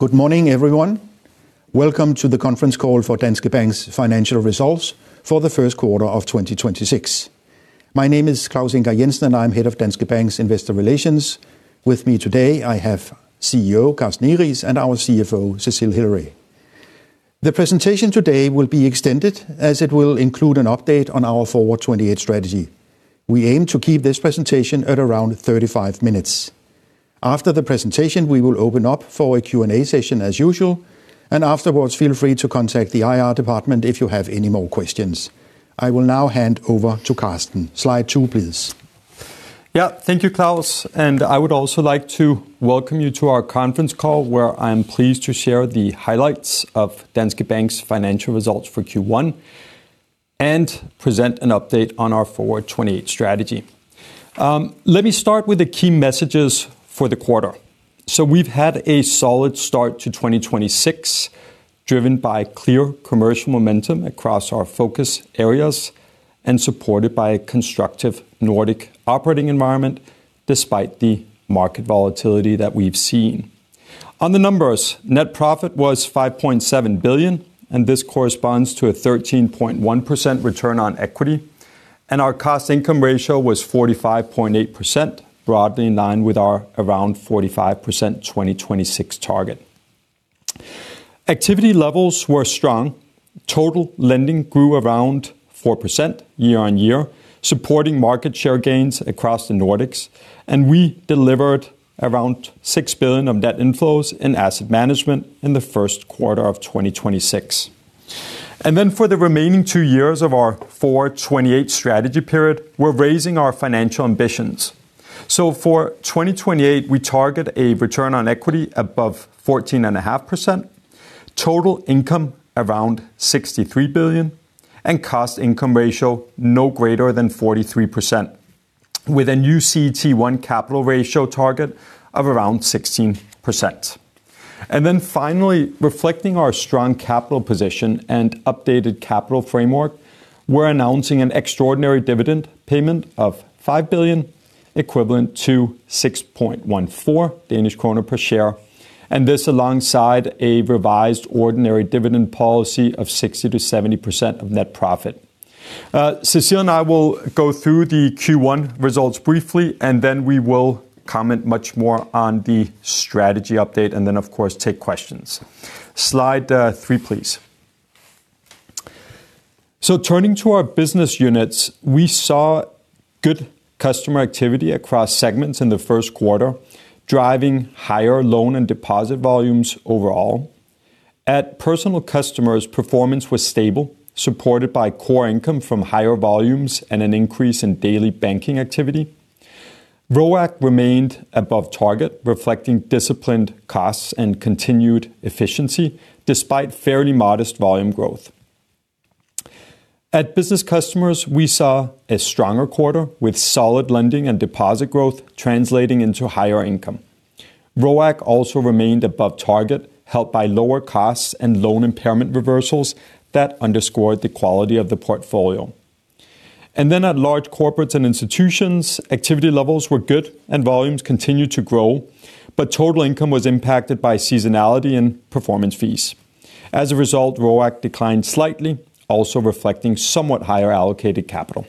Good morning, everyone. Welcome to the conference call for Danske Bank's financial results for the first quarter of 2026. My name is Claus Ingar Jensen, and I am Head of Danske Bank's Investor Relations. With me today I have CEO Carsten Egeriis and our CFO Cecile Hillary. The presentation today will be extended as it will include an update on our Forward 2028 strategy. We aim to keep this presentation at around 35 minutes. After the presentation, we will open up for a Q&A session as usual, and afterwards feel free to contact the IR department if you have any more questions. I will now hand over to Carsten. Slide two, please. Thank you, Claus. I would also like to welcome you to our conference call, where I'm pleased to share the highlights of Danske Bank's financial results for Q1 and present an update on our Forward 2028 strategy. Let me start with the key messages for the quarter. We've had a solid start to 2026, driven by clear commercial momentum across our focus areas and supported by a constructive Nordic operating environment despite the market volatility that we've seen. On the numbers, net profit was 5.7 billion, and this corresponds to a 13.1% return on equity, and our cost-to-income ratio was 45.8%, broadly in line with our around 45% 2026 target. Activity levels were strong. Total lending grew around 4% year-on-year, supporting market share gains across the Nordics. We delivered around 6 billion of net inflows in asset management in the first quarter of 2026. For the remaining two years of our Forward 2028 strategy period, we're raising our financial ambitions. For 2028, we target a return on equity above 14.5%, total income around 63 billion, and cost-to-income ratio no greater than 43%, with a new CET1 capital ratio target of around 16%. Finally, reflecting our strong capital position and updated capital framework, we're announcing an extraordinary dividend payment of 5 billion, equivalent to 6.14 Danish kroner per share, and this alongside a revised ordinary dividend policy of 60%-70% of net profit. Cecile and I will go through the Q1 results briefly, and then we will comment much more on the strategy update and then of course take questions. Slide three, please. Turning to our business units, we saw good customer activity across segments in the first quarter, driving higher loan and deposit volumes overall. At personal customers, performance was stable, supported by core income from higher volumes and an increase in daily banking activity. ROAC remained above target, reflecting disciplined costs and continued efficiency despite fairly modest volume growth. At business customers, we saw a stronger quarter with solid lending and deposit growth translating into higher income. ROAC also remained above target, helped by lower costs and loan impairment reversals that underscored the quality of the portfolio. At Large Corporates & Institutions, activity levels were good and volumes continued to grow, but total income was impacted by seasonality and performance fees. As a result ROAC declined slightly, also reflecting somewhat higher allocated capital.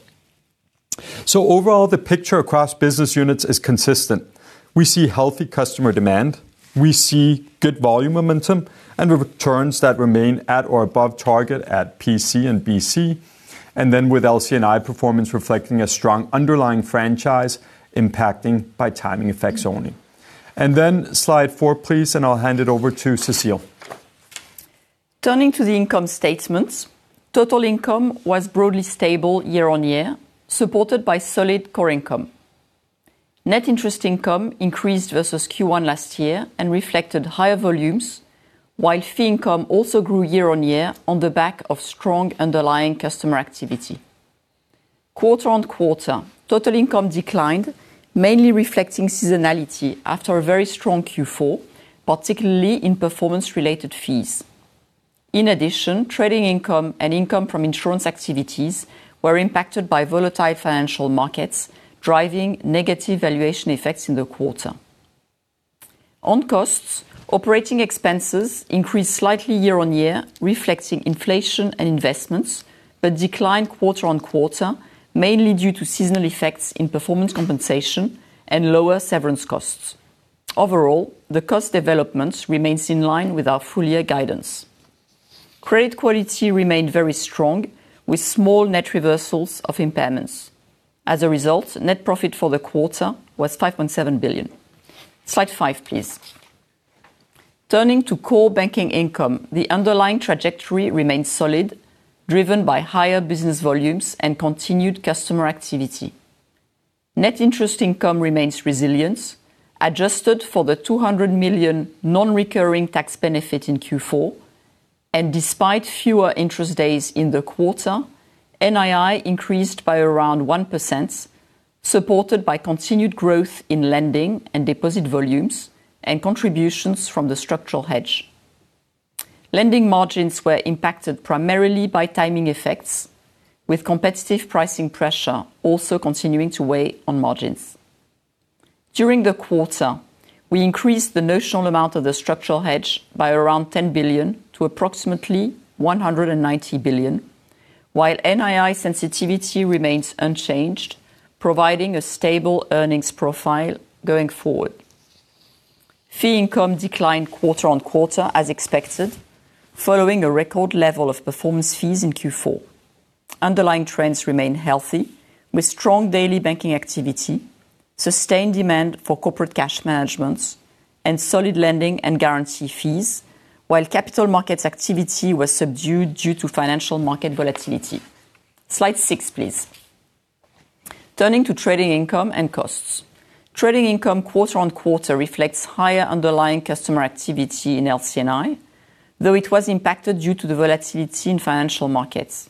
Overall, the picture across business units is consistent. We see healthy customer demand. We see good volume momentum and returns that remain at or above target at PC and BC, and then with LC&I performance reflecting a strong underlying franchise impacting by timing effects only. Slide four, please, and I'll hand it over to Cecile. Turning to the income statements, total income was broadly stable year-on-year, supported by solid core income. Net interest income increased versus Q1 last year and reflected higher volumes, while fee income also grew year-on-year on the back of strong underlying customer activity. Quarter-on-quarter, total income declined, mainly reflecting seasonality after a very strong Q4, particularly in performance-related fees. Trading income and income from insurance activities were impacted by volatile financial markets, driving negative valuation effects in the quarter. On costs, operating expenses increased slightly year-on-year, reflecting inflation and investments, but declined quarter-on-quarter, mainly due to seasonal effects in performance compensation and lower severance costs. Overall, the cost development remains in line with our full year guidance. Credit quality remained very strong, with small net reversals of impairments. As a result, net profit for the quarter was 5.7 billion. Slide five, please. Turning to core banking income, the underlying trajectory remains solid, driven by higher business volumes and continued customer activity. Net interest income remains resilient, adjusted for the 200 million non-recurring tax benefit in Q4. Despite fewer interest days in the quarter, NII increased by around 1%, supported by continued growth in lending and deposit volumes and contributions from the structural hedge. Lending margins were impacted primarily by timing effects, with competitive pricing pressure also continuing to weigh on margins. During the quarter, we increased the notional amount of the structural hedge by around 10 billion to approximately 190 billion, while NII sensitivity remains unchanged, providing a stable earnings profile going forward. Fee income declined quarter-on-quarter as expected, following a record level of performance fees in Q4. Underlying trends remain healthy, with strong daily banking activity, sustained demand for corporate cash management, and solid lending and guarantee fees, while capital markets activity was subdued due to financial market volatility. Slide six, please. Turning to trading income and costs. Trading income quarter-on-quarter reflects higher underlying customer activity in LC&I, though it was impacted due to the volatility in financial markets.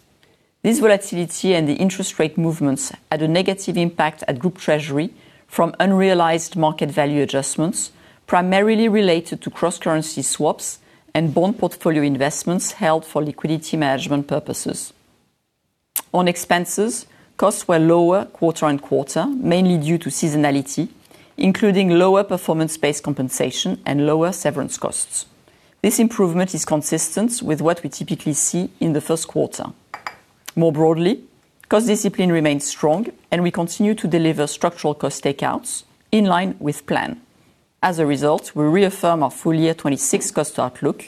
This volatility and the interest rate movements had a negative impact at Group Treasury from unrealized market value adjustments, primarily related to cross-currency swaps and bond portfolio investments held for liquidity management purposes. On expenses, costs were lower quarter-on-quarter, mainly due to seasonality, including lower performance-based compensation and lower severance costs. This improvement is consistent with what we typically see in the first quarter. More broadly, cost discipline remains strong and we continue to deliver structural cost takeouts in line with plan. As a result, we reaffirm our full year 2026 cost outlook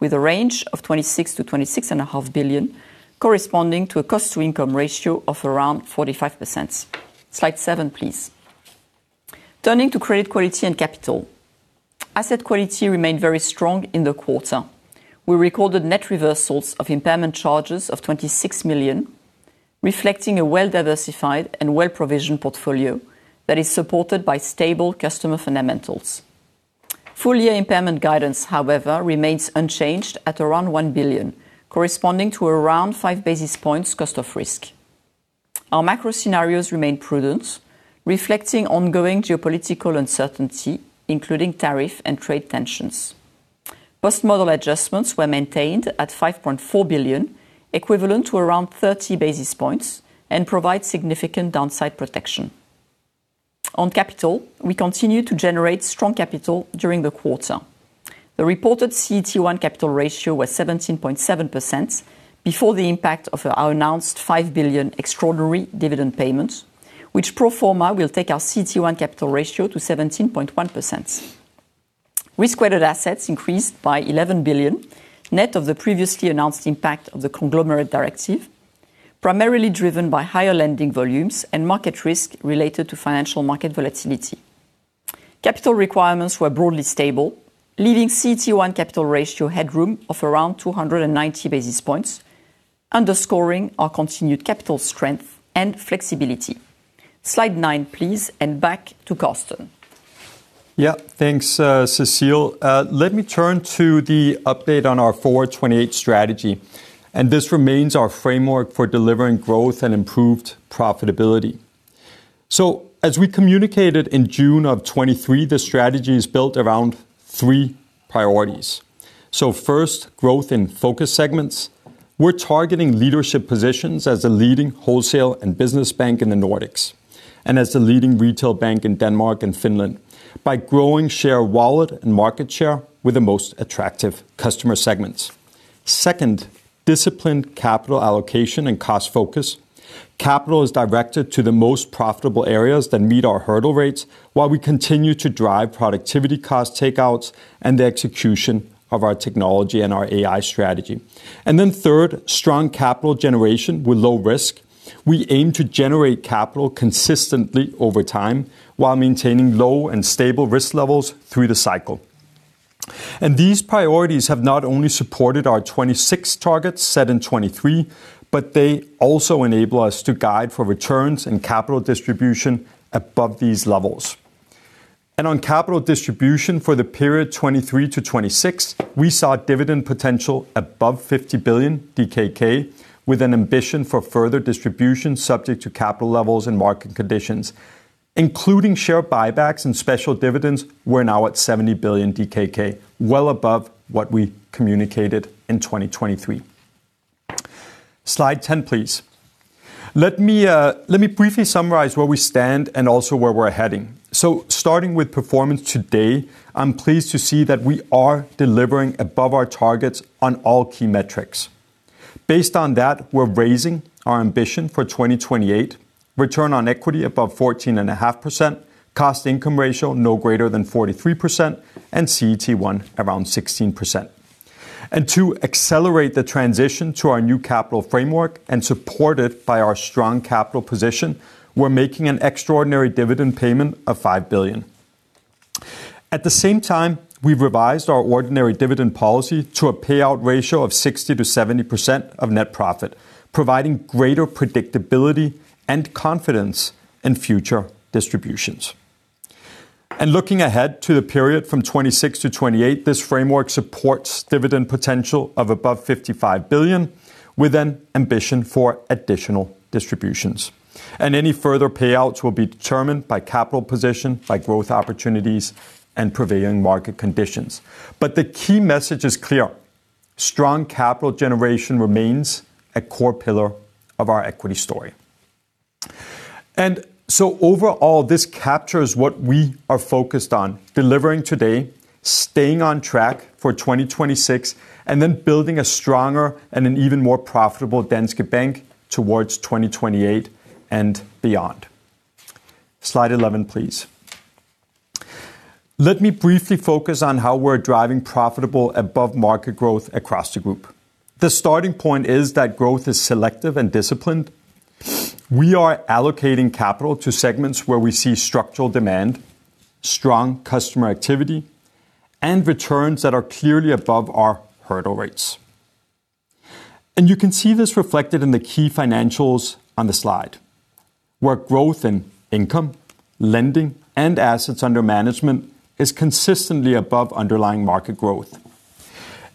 with a range of 26 billion-26.5 billion, corresponding to a cost-to-income ratio of around 45%. Slide seven, please. Turning to credit quality and capital. Asset quality remained very strong in the quarter. We recorded net reversals of impairment charges of 26 million, reflecting a well-diversified and well-provisioned portfolio that is supported by stable customer fundamentals. Full year impairment guidance, however, remains unchanged at around 1 billion, corresponding to around 5 basis points cost of risk. Our macro scenarios remain prudent, reflecting ongoing geopolitical uncertainty, including tariff and trade tensions. Post-model adjustments were maintained at 5.4 billion, equivalent to around 30 basis points and provide significant downside protection. On capital, we continue to generate strong capital during the quarter. The reported CET1 capital ratio was 17.7% before the impact of our announced 5 billion extraordinary dividend payments, which pro forma will take our CET1 capital ratio to 17.1%. Risk-weighted assets increased by 11 billion, net of the previously announced impact of the Conglomerate Directive, primarily driven by higher lending volumes and market risk related to financial market volatility. Capital requirements were broadly stable, leaving CET1 capital ratio headroom of around 290 basis points, underscoring our continued capital strength and flexibility. Slide nine, please, and back to Carsten. Yeah, thanks, Cecile. Let me turn to the update on our Forward 2028 strategy. This remains our framework for delivering growth and improved profitability. As we communicated in June of 2023, the strategy is built around three priorities. First, growth in focus segments. We're targeting leadership positions as a leading wholesale and business bank in the Nordics, and as the leading retail bank in Denmark and Finland by growing share wallet and market share with the most attractive customer segments. Second, disciplined capital allocation and cost focus. Capital is directed to the most profitable areas that meet our hurdle rates, while we continue to drive productivity cost takeouts and the execution of our technology and our AI strategy. Then third, strong capital generation with low risk. We aim to generate capital consistently over time while maintaining low and stable risk levels through the cycle. These priorities have not only supported our 2026 targets set in 2023, but they also enable us to guide for returns and capital distribution above these levels. On capital distribution for the period 2023-2026, we saw dividend potential above 50 billion DKK, with an ambition for further distribution subject to capital levels and market conditions. Including share buybacks and special dividends, we're now at 70 billion DKK, well above what we communicated in 2023. Slide 10, please. Let me briefly summarize where we stand and also where we're heading. Starting with performance today, I'm pleased to see that we are delivering above our targets on all key metrics. Based on that, we're raising our ambition for 2028, return on equity above 14.5%, cost-to-income ratio no greater than 43%, and CET1 around 16%. To accelerate the transition to our new capital framework and supported by our strong capital position, we're making an extraordinary dividend payment of 5 billion. At the same time, we've revised our ordinary dividend policy to a payout ratio of 60%-70% of net profit, providing greater predictability and confidence in future distributions. Looking ahead to the period from 2026-2028, this framework supports dividend potential of above 55 billion. With an ambition for additional distributions. Any further payouts will be determined by capital position, by growth opportunities, and prevailing market conditions. The key message is clear. Strong capital generation remains a core pillar of our equity story. Overall, this captures what we are focused on delivering today, staying on track for 2026, and then building a stronger and an even more profitable Danske Bank towards 2028 and beyond. Slide 11, please. Let me briefly focus on how we're driving profitable above-market growth across the group. The starting point is that growth is selective and disciplined. We are allocating capital to segments where we see structural demand, strong customer activity, and returns that are clearly above our hurdle rates. You can see this reflected in the key financials on the slide, where growth in income, lending, and assets under management is consistently above underlying market growth.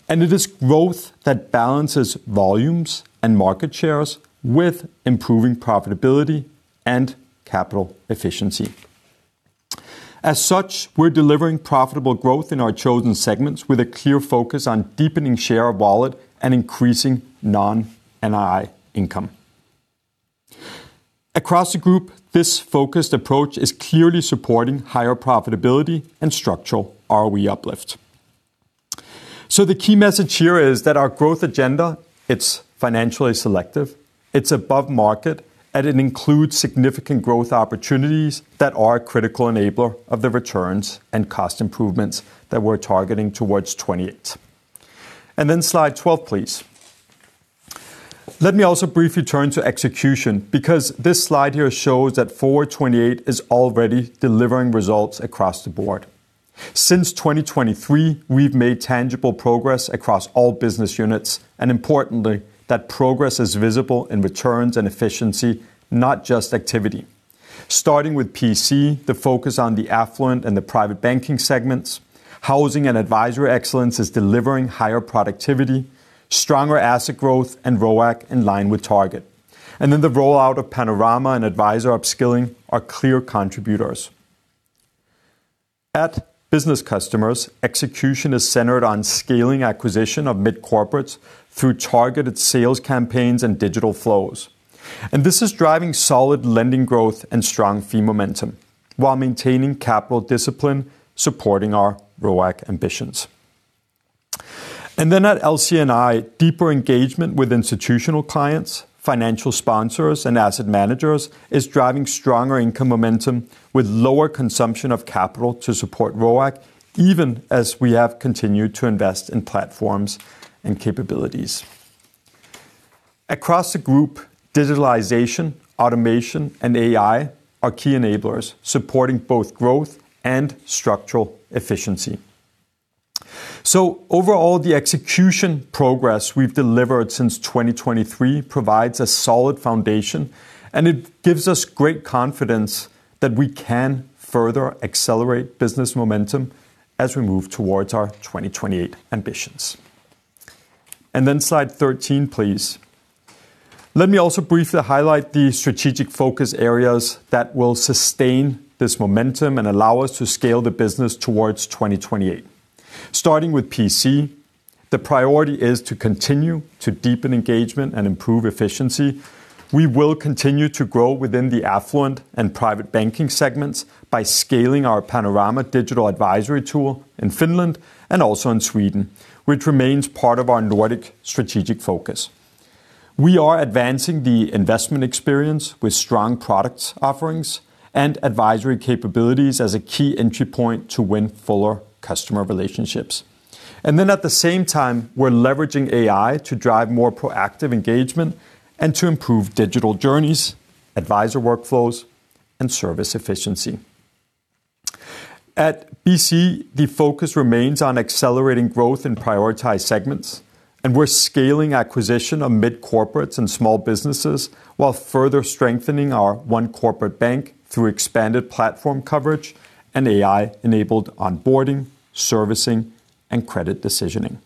It is growth that balances volumes and market shares with improving profitability and capital efficiency. As such, we're delivering profitable growth in our chosen segments with a clear focus on deepening share of wallet and increasing non-NII income. Across the group, this focused approach is clearly supporting higher profitability and structural ROE uplift. The key message here is that our growth agenda, it's financially selective, it's above market, and it includes significant growth opportunities that are a critical enabler of the returns and cost improvements that we're targeting towards 2028. Then slide 12, please. Let me also briefly turn to execution because this slide here shows that Forward 2028 is already delivering results across the board. Since 2023, we've made tangible progress across all business units, and importantly, that progress is visible in returns and efficiency, not just activity. Starting with PC, the focus on the Affluent and the Private Banking segments, housing and advisory excellence is delivering higher productivity, stronger asset growth, and ROAC in line with target. The rollout of Panorama and advisor upskilling are clear contributors. At business customers, execution is centered on scaling acquisition of Mid-corporates through targeted sales campaigns and digital flows. This is driving solid lending growth and strong fee momentum while maintaining capital discipline supporting our ROAC ambitions. At LC&I, deeper engagement with institutional clients, financial sponsors, and asset managers is driving stronger income momentum with lower consumption of capital to support ROAC, even as we have continued to invest in platforms and capabilities. Across the group, digitalization, automation, and AI are key enablers supporting both growth and structural efficiency. Overall, the execution progress we've delivered since 2023 provides a solid foundation, and it gives us great confidence that we can further accelerate business momentum as we move towards our 2028 ambitions. Slide 13, please. Let me also briefly highlight the strategic focus areas that will sustain this momentum and allow us to scale the business towards 2028. Starting with PC, the priority is to continue to deepen engagement and improve efficiency. We will continue to grow within the Affluent and Private Banking segments by scaling our Panorama digital advisory tool in Finland and also in Sweden, which remains part of our Nordic strategic focus. We are advancing the investment experience with strong product offerings and advisory capabilities as a key entry point to win fuller customer relationships. At the same time, we're leveraging AI to drive more proactive engagement and to improve digital journeys, advisor workflows, and service efficiency. At BC, the focus remains on accelerating growth in prioritized segments. We're scaling acquisition of Mid-corporates and small businesses while further strengthening our One Corporate Bank through expanded platform coverage and AI-enabled onboarding, servicing, and credit decisioning.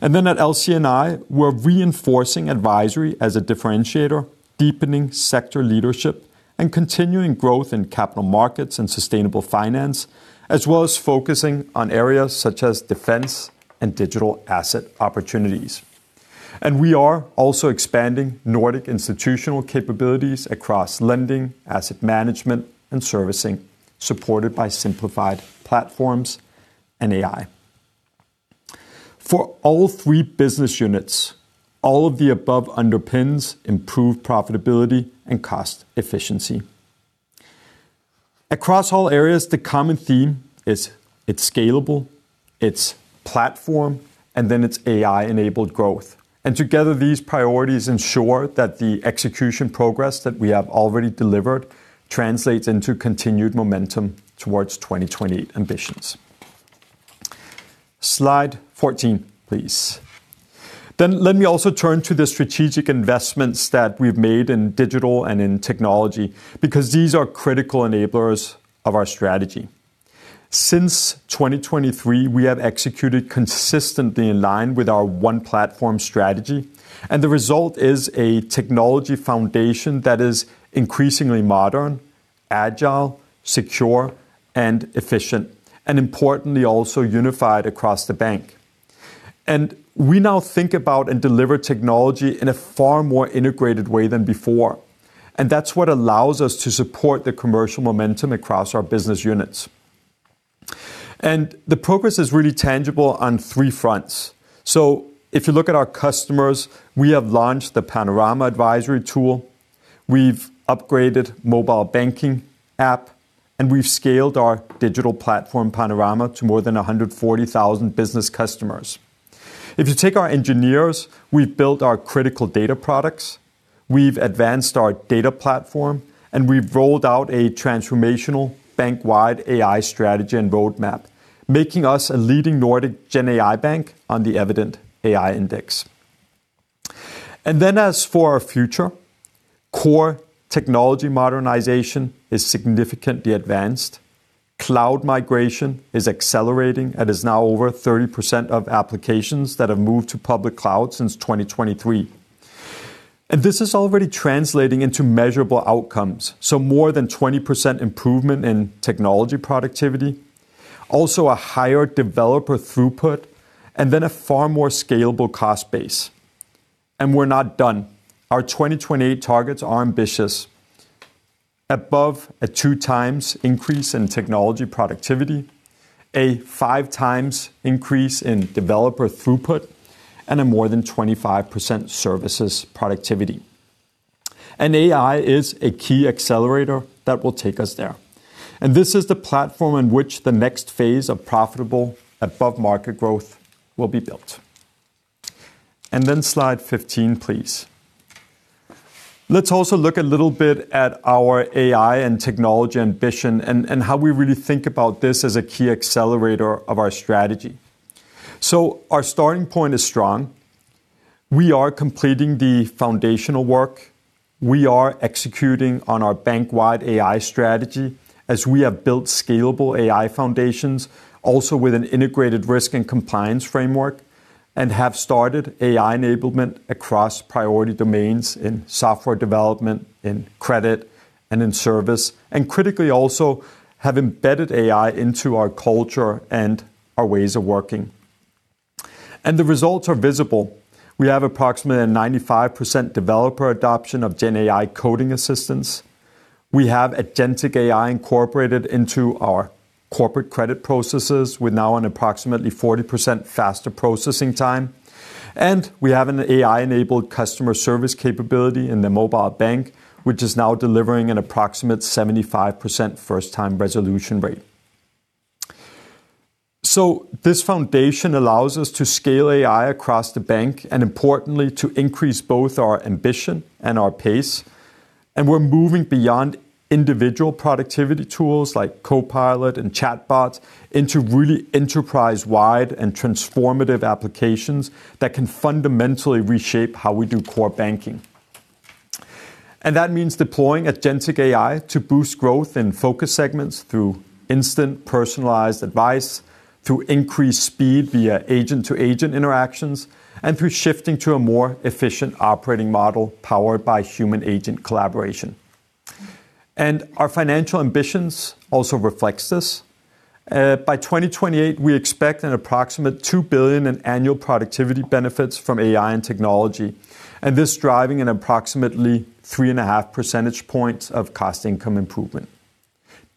At LC&I, we're reinforcing advisory as a differentiator, deepening sector leadership, and continuing growth in capital markets and sustainable finance, as well as focusing on areas such as defense and digital asset opportunities. We are also expanding Nordic institutional capabilities across lending, asset management, and servicing, supported by simplified platforms and AI. For all three business units, all of the above underpins improved profitability and cost efficiency. Across all areas, the common theme is it's scalable, it's platform, it's AI-enabled growth. Together, these priorities ensure that the execution progress that we have already delivered translates into continued momentum towards 2028 ambitions. Slide 14, please. Let me also turn to the strategic investments that we've made in digital and in technology, because these are critical enablers of our strategy. Since 2023, we have executed consistently in line with our one platform strategy, the result is a technology foundation that is increasingly modern, agile, secure and efficient, importantly, also unified across the bank. We now think about and deliver technology in a far more integrated way than before. That's what allows us to support the commercial momentum across our business units. The progress is really tangible on three fronts. If you look at our customers, we have launched the Panorama advisory tool, we've upgraded mobile banking app, and we've scaled our digital platform, Panorama, to more than 140,000 business customers. If you take our engineers, we've built our critical data products, we've advanced our data platform, and we've rolled out a transformational bank-wide AI strategy and roadmap, making us a leading Nordic GenAI bank on the Evident AI Index. As for our future, core technology modernization is significantly advanced. Cloud migration is accelerating and is now over 30% of applications that have moved to public cloud since 2023. This is already translating into measurable outcomes, so more than 20% improvement in technology productivity, also a higher developer throughput, a far more scalable cost base. We're not done. Our 2028 targets are ambitious. Above a two times increase in technology productivity, a five times increase in developer throughput, and a more than 25% services productivity. AI is a key accelerator that will take us there. This is the platform on which the next phase of profitable above-market growth will be built. Slide 15, please. Let's also look a little bit at our AI and technology ambition and how we really think about this as a key accelerator of our strategy. Our starting point is strong. We are completing the foundational work. We are executing on our bank-wide AI strategy as we have built scalable AI foundations, also with an integrated risk and compliance framework, and have started AI enablement across priority domains in software development, in credit and in service, and critically also have embedded AI into our culture and our ways of working. The results are visible. We have approximately 95% developer adoption of GenAI coding assistance. We have agentic AI incorporated into our corporate credit processes with now an approximately 40% faster processing time, and we have an AI-enabled customer service capability in the mobile bank, which is now delivering an approximate 75% first-time resolution rate. This foundation allows us to scale AI across the bank and importantly to increase both our ambition and our pace. We're moving beyond individual productivity tools like Copilot and chatbots into really enterprise-wide and transformative applications that can fundamentally reshape how we do core banking. That means deploying agentic AI to boost growth in focus segments through instant personalized advice, through increased speed via agent-to-agent interactions, and through shifting to a more efficient operating model powered by human agent collaboration. Our financial ambitions also reflects this. By 2028, we expect an approximate 2 billion in annual productivity benefits from AI and technology, and this driving an approximately 3.5 percentage points of cost income improvement.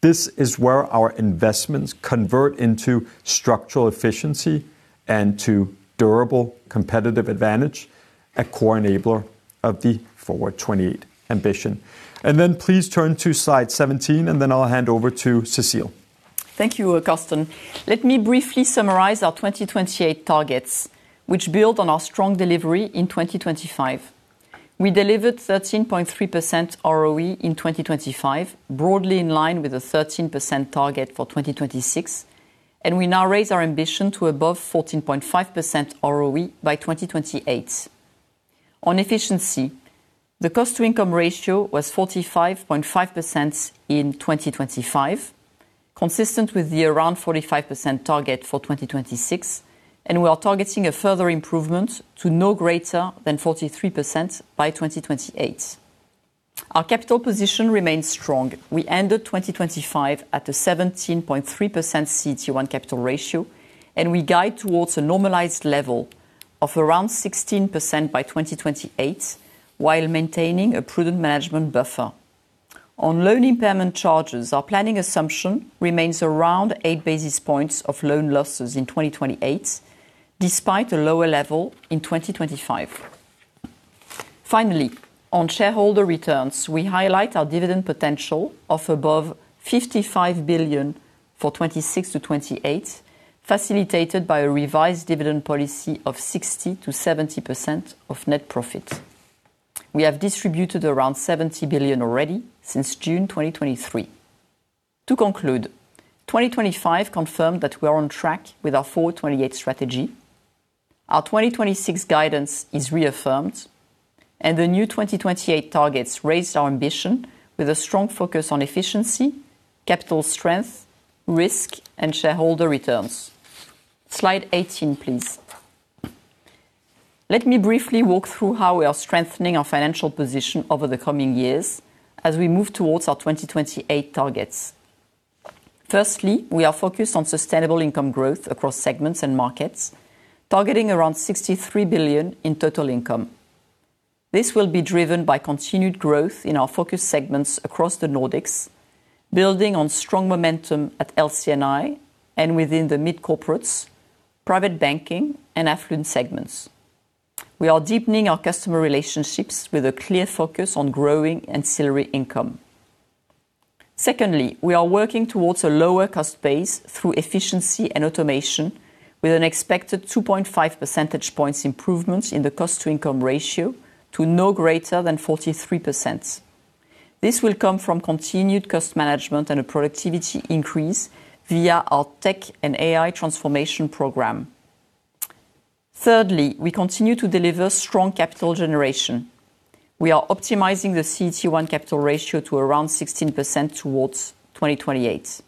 This is where our investments convert into structural efficiency and to durable competitive advantage, a core enabler of the Forward 2028 ambition. Please turn to slide 17, and then I'll hand over to Cecile. Thank you, Carsten. Let me briefly summarize our 2028 targets, which build on our strong delivery in 2025. We delivered 13.3% ROE in 2025, broadly in line with a 13% target for 2026, and we now raise our ambition to above 14.5% ROE by 2028. On efficiency, the cost-to-income ratio was 45.5% in 2025, consistent with the around 45% target for 2026, and we are targeting a further improvement to no greater than 43% by 2028. Our capital position remains strong. We ended 2025 at a 17.3% CET1 capital ratio, and we guide towards a normalized level of around 16% by 2028 while maintaining a prudent management buffer. On loan impairment charges, our planning assumption remains around 8 basis points of loan losses in 2028, despite a lower level in 2025. Finally, on shareholder returns, we highlight our dividend potential of above 55 billion for 2026-2028, facilitated by a revised dividend policy of 60%-70% of net profit. We have distributed around 70 billion already since June 2023. To conclude, 2025 confirmed that we are on track with our Forward 2028 strategy. Our 2026 guidance is reaffirmed, and the new 2028 targets raised our ambition with a strong focus on efficiency, capital strength, risk, and shareholder returns. Slide 18, please. Let me briefly walk through how we are strengthening our financial position over the coming years as we move towards our 2028 targets. Firstly, we are focused on sustainable income growth across segments and markets, targeting around 63 billion in total income. This will be driven by continued growth in our focus segments across the Nordics, building on strong momentum at LC&I and within the Mid-corporates, Private Banking, and Affluent segments. We are deepening our customer relationships with a clear focus on growing ancillary income. Secondly, we are working towards a lower cost base through efficiency and automation with an expected 2.5 percentage points improvements in the cost-to-income ratio to no greater than 43%. This will come from continued cost management and a productivity increase via our tech and AI transformation program. Thirdly, we continue to deliver strong capital generation. We are optimizing the CET1 capital ratio to around 16% towards 2028.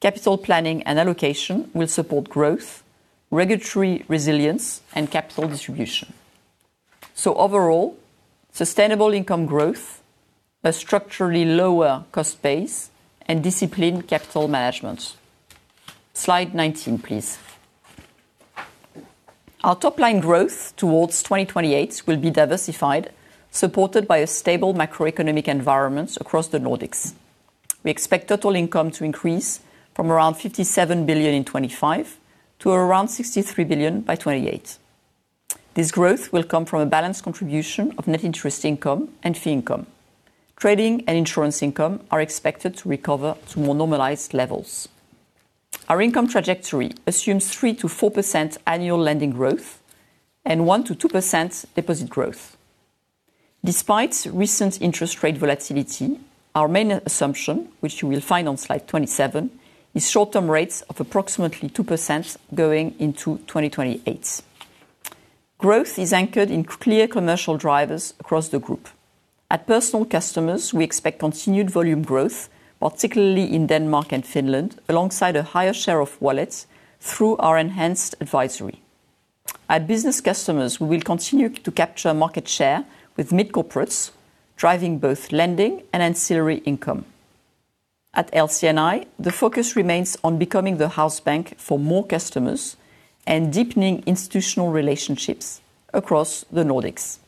Capital planning and allocation will support growth, regulatory resilience, and capital distribution. Overall, sustainable income growth, a structurally lower cost base, and disciplined capital management. Slide 19, please. Our top line growth towards 2028 will be diversified, supported by a stable macroeconomic environment across the Nordics. We expect total income to increase from around 57 billion in 2025 to around 63 billion by 2028. This growth will come from a balanced contribution of net interest income and fee income. Trading and insurance income are expected to recover to more normalized levels. Our income trajectory assumes 3%-4% annual lending growth and 1%-2% deposit growth. Despite recent interest rate volatility, our main assumption, which you will find on slide 27, is short-term rates of approximately 2% going into 2028. Growth is anchored in clear commercial drivers across the Group. At personal customers, we expect continued volume growth, particularly in Denmark and Finland, alongside a higher share of wallets through our enhanced advisory. At business customers, we will continue to capture market share with Mid-corporates, driving both lending and ancillary income. At LC&I, the focus remains on becoming the house bank for more customers and deepening institutional relationships across the Nordics.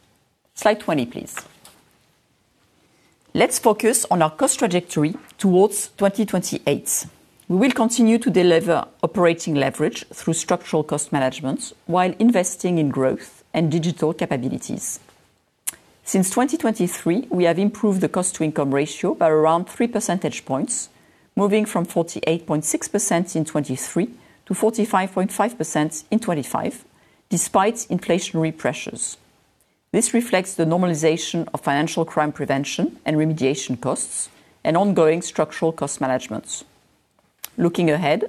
Slide 20, please. Let's focus on our cost trajectory towards 2028. We will continue to deliver operating leverage through structural cost management while investing in growth and digital capabilities. Since 2023, we have improved the cost-to-income ratio by around 3 percentage points, moving from 48.6% in 2023 to 45.5% in 2025 despite inflationary pressures. This reflects the normalization of financial crime prevention and remediation costs and ongoing structural cost management. Looking ahead,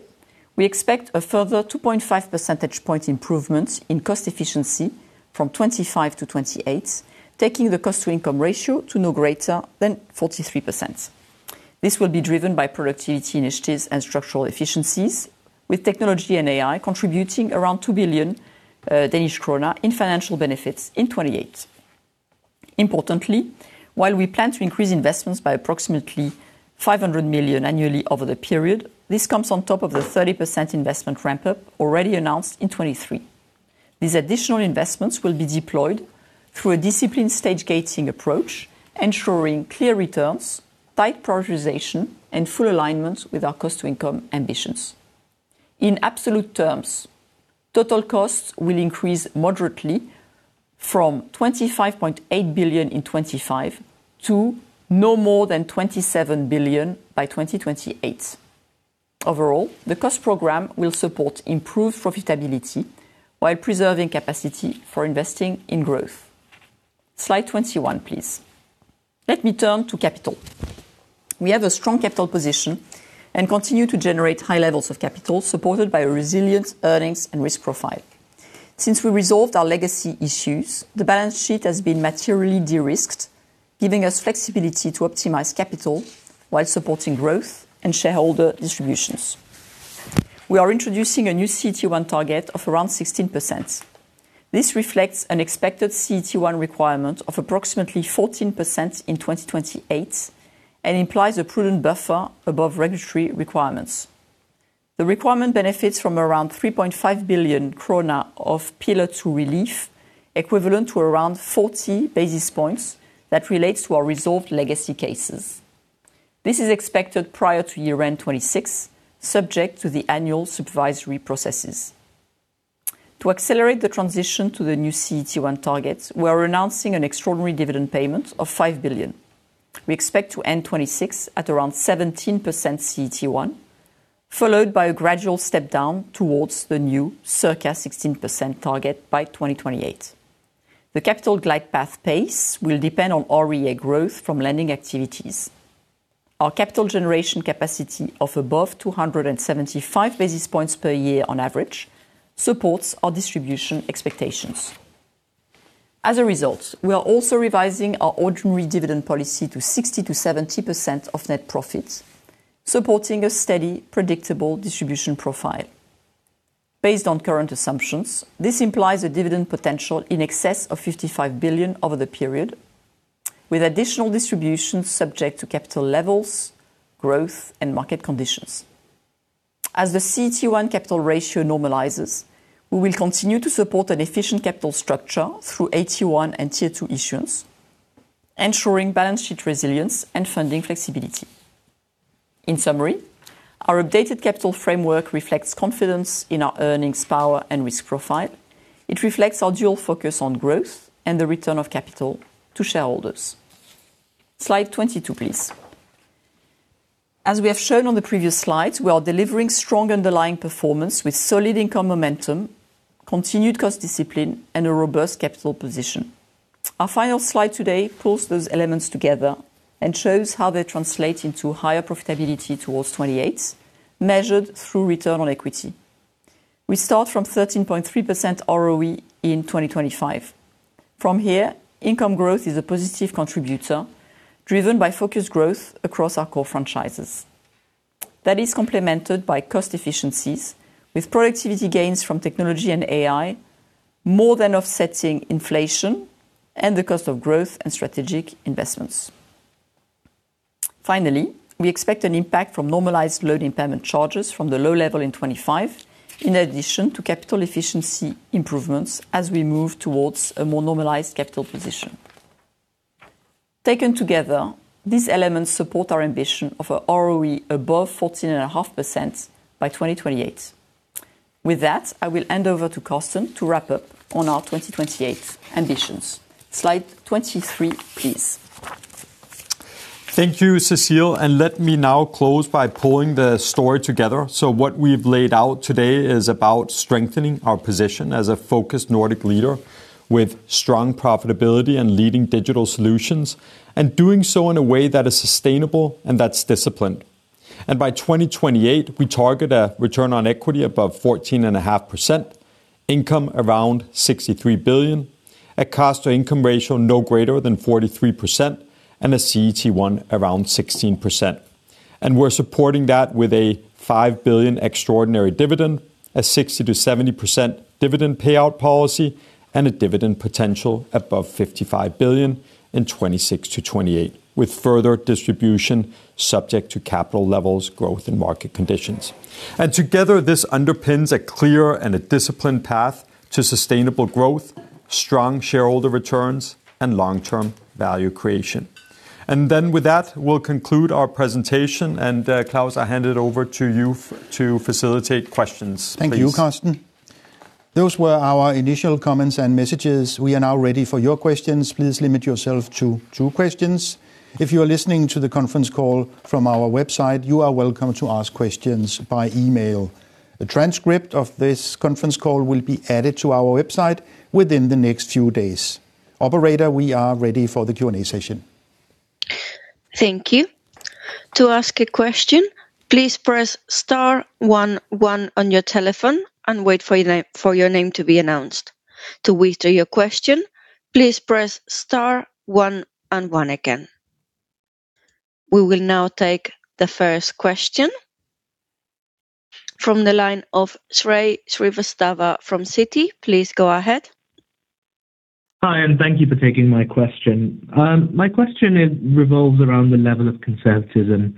we expect a further 2.5 percentage point improvement in cost efficiency from 2025 to 2028, taking the cost-to-income ratio to no greater than 43%. This will be driven by productivity initiatives and structural efficiencies with technology and AI contributing around 2 billion Danish krone in financial benefits in 2028. Importantly, while we plan to increase investments by approximately 500 million annually over the period, this comes on top of the 30% investment ramp-up already announced in 2023. These additional investments will be deployed through a disciplined stage-gating approach, ensuring clear returns, tight prioritization, and full alignment with our cost-to-income ambitions. In absolute terms, total costs will increase moderately from 25.8 billion in 2025 to no more than 27 billion by 2028. Overall, the cost program will support improved profitability while preserving capacity for investing in growth. Slide 21, please. Let me turn to capital. We have a strong capital position and continue to generate high levels of capital supported by a resilient earnings and risk profile. Since we resolved our legacy issues, the balance sheet has been materially de-risked, giving us flexibility to optimize capital while supporting growth and shareholder distributions. We are introducing a new CET1 target of around 16%. This reflects an expected CET1 requirement of approximately 14% in 2028 and implies a prudent buffer above regulatory requirements. The requirement benefits from around 3.5 billion krone of Pillar II relief, equivalent to around 40 basis points that relates to our resolved legacy cases. This is expected prior to year-end 2026, subject to the annual supervisory processes. To accelerate the transition to the new CET1 target, we are announcing an extraordinary dividend payment of 5 billion. We expect to end 2026 at around 17% CET1, followed by a gradual step down towards the new circa 16% target by 2028. The capital glide path pace will depend on REA growth from lending activities. Our capital generation capacity of above 275 basis points per year on average supports our distribution expectations. As a result, we are also revising our ordinary dividend policy to 60%-70% of net profits, supporting a steady, predictable distribution profile. Based on current assumptions, this implies a dividend potential in excess of 55 billion over the period, with additional distributions subject to capital levels, growth, and market conditions. As the CET1 capital ratio normalizes, we will continue to support an efficient capital structure through AT1 and Tier Two issuance, ensuring balance sheet resilience and funding flexibility. In summary, our updated capital framework reflects confidence in our earnings power and risk profile. It reflects our dual focus on growth and the return of capital to shareholders. Slide 22, please. As we have shown on the previous slides, we are delivering strong underlying performance with solid income momentum, continued cost discipline, and a robust capital position. Our final slide today pulls those elements together and shows how they translate into higher profitability towards 2028, measured through return on equity. We start from 13.3% ROE in 2025. From here, income growth is a positive contributor, driven by focused growth across our core franchises. That is complemented by cost efficiencies with productivity gains from technology and AI more than offsetting inflation and the cost of growth and strategic investments. Finally, we expect an impact from normalized loan impairment charges from the low level in 2025, in addition to capital efficiency improvements as we move towards a more normalized capital position. Taken together, these elements support our ambition of a ROE above 14.5% by 2028. With that, I will hand over to Carsten to wrap up on our 2028 ambitions. Slide 23, please. Thank you, Cecile, and let me now close by pulling the story together. What we've laid out today is about strengthening our position as a focused Nordic leader with strong profitability and leading digital solutions, and doing so in a way that is sustainable and that's disciplined. By 2028, we target a return on equity above 14.5%, income around 63 billion, a cost-to-income ratio no greater than 43%, and a CET1 around 16%. We're supporting that with a 5 billion extraordinary dividend, a 60%-70% dividend payout policy, and a dividend potential above 55 billion in 2026-2028, with further distribution subject to capital levels, growth, and market conditions. Together, this underpins a clear and a disciplined path to sustainable growth, strong shareholder returns, and long-term value creation. With that, we'll conclude our presentation, and Claus, I hand it over to you to facilitate questions, please. Thank you, Carsten. Those were our initial comments and messages. We are now ready for your questions. Please limit yourself to two questions. If you are listening to the conference call from our website, you are welcome to ask questions by email. A transcript of this conference call will be added to our website within the next few days. Operator, we are ready for the Q&A session. Thank you to ask a question please press star one one on your telephone and wait for your name to be announced. To withdraw your question please press star one and one again. We will now take the first question. From the line of Shrey Srivastava from Citi. Please go ahead. Hi, and thank you for taking my question. My question revolves around the level of conservatism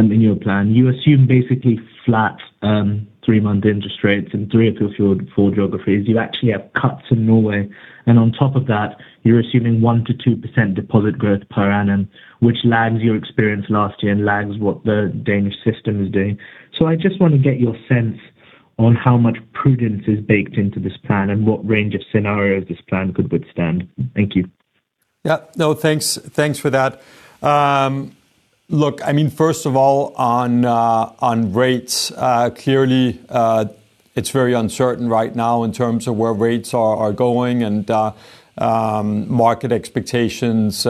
in your plan. You assume basically flat three-month interest rates in three of your four geographies. You actually have cuts in Norway, and on top of that, you're assuming 1%-2% deposit growth per annum, which lags your experience last year and lags what the Danish system is doing. I just want to get your sense on how much prudence is baked into this plan and what range of scenarios this plan could withstand. Thank you. Yeah. No, thanks for that. Look, I mean, first of all, on rates, clearly, it's very uncertain right now in terms of where rates are going and market expectations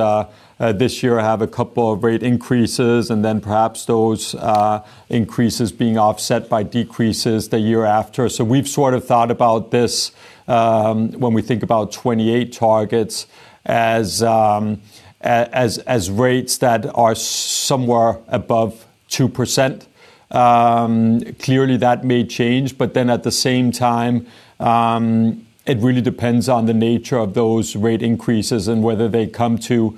this year have a couple of rate increases and then perhaps those increases being offset by decreases the year after. We've sort of thought about this, when we think about 2028 targets as rates that are somewhere above 2%. Clearly that may change, but then at the same time, it really depends on the nature of those rate increases and whether they come to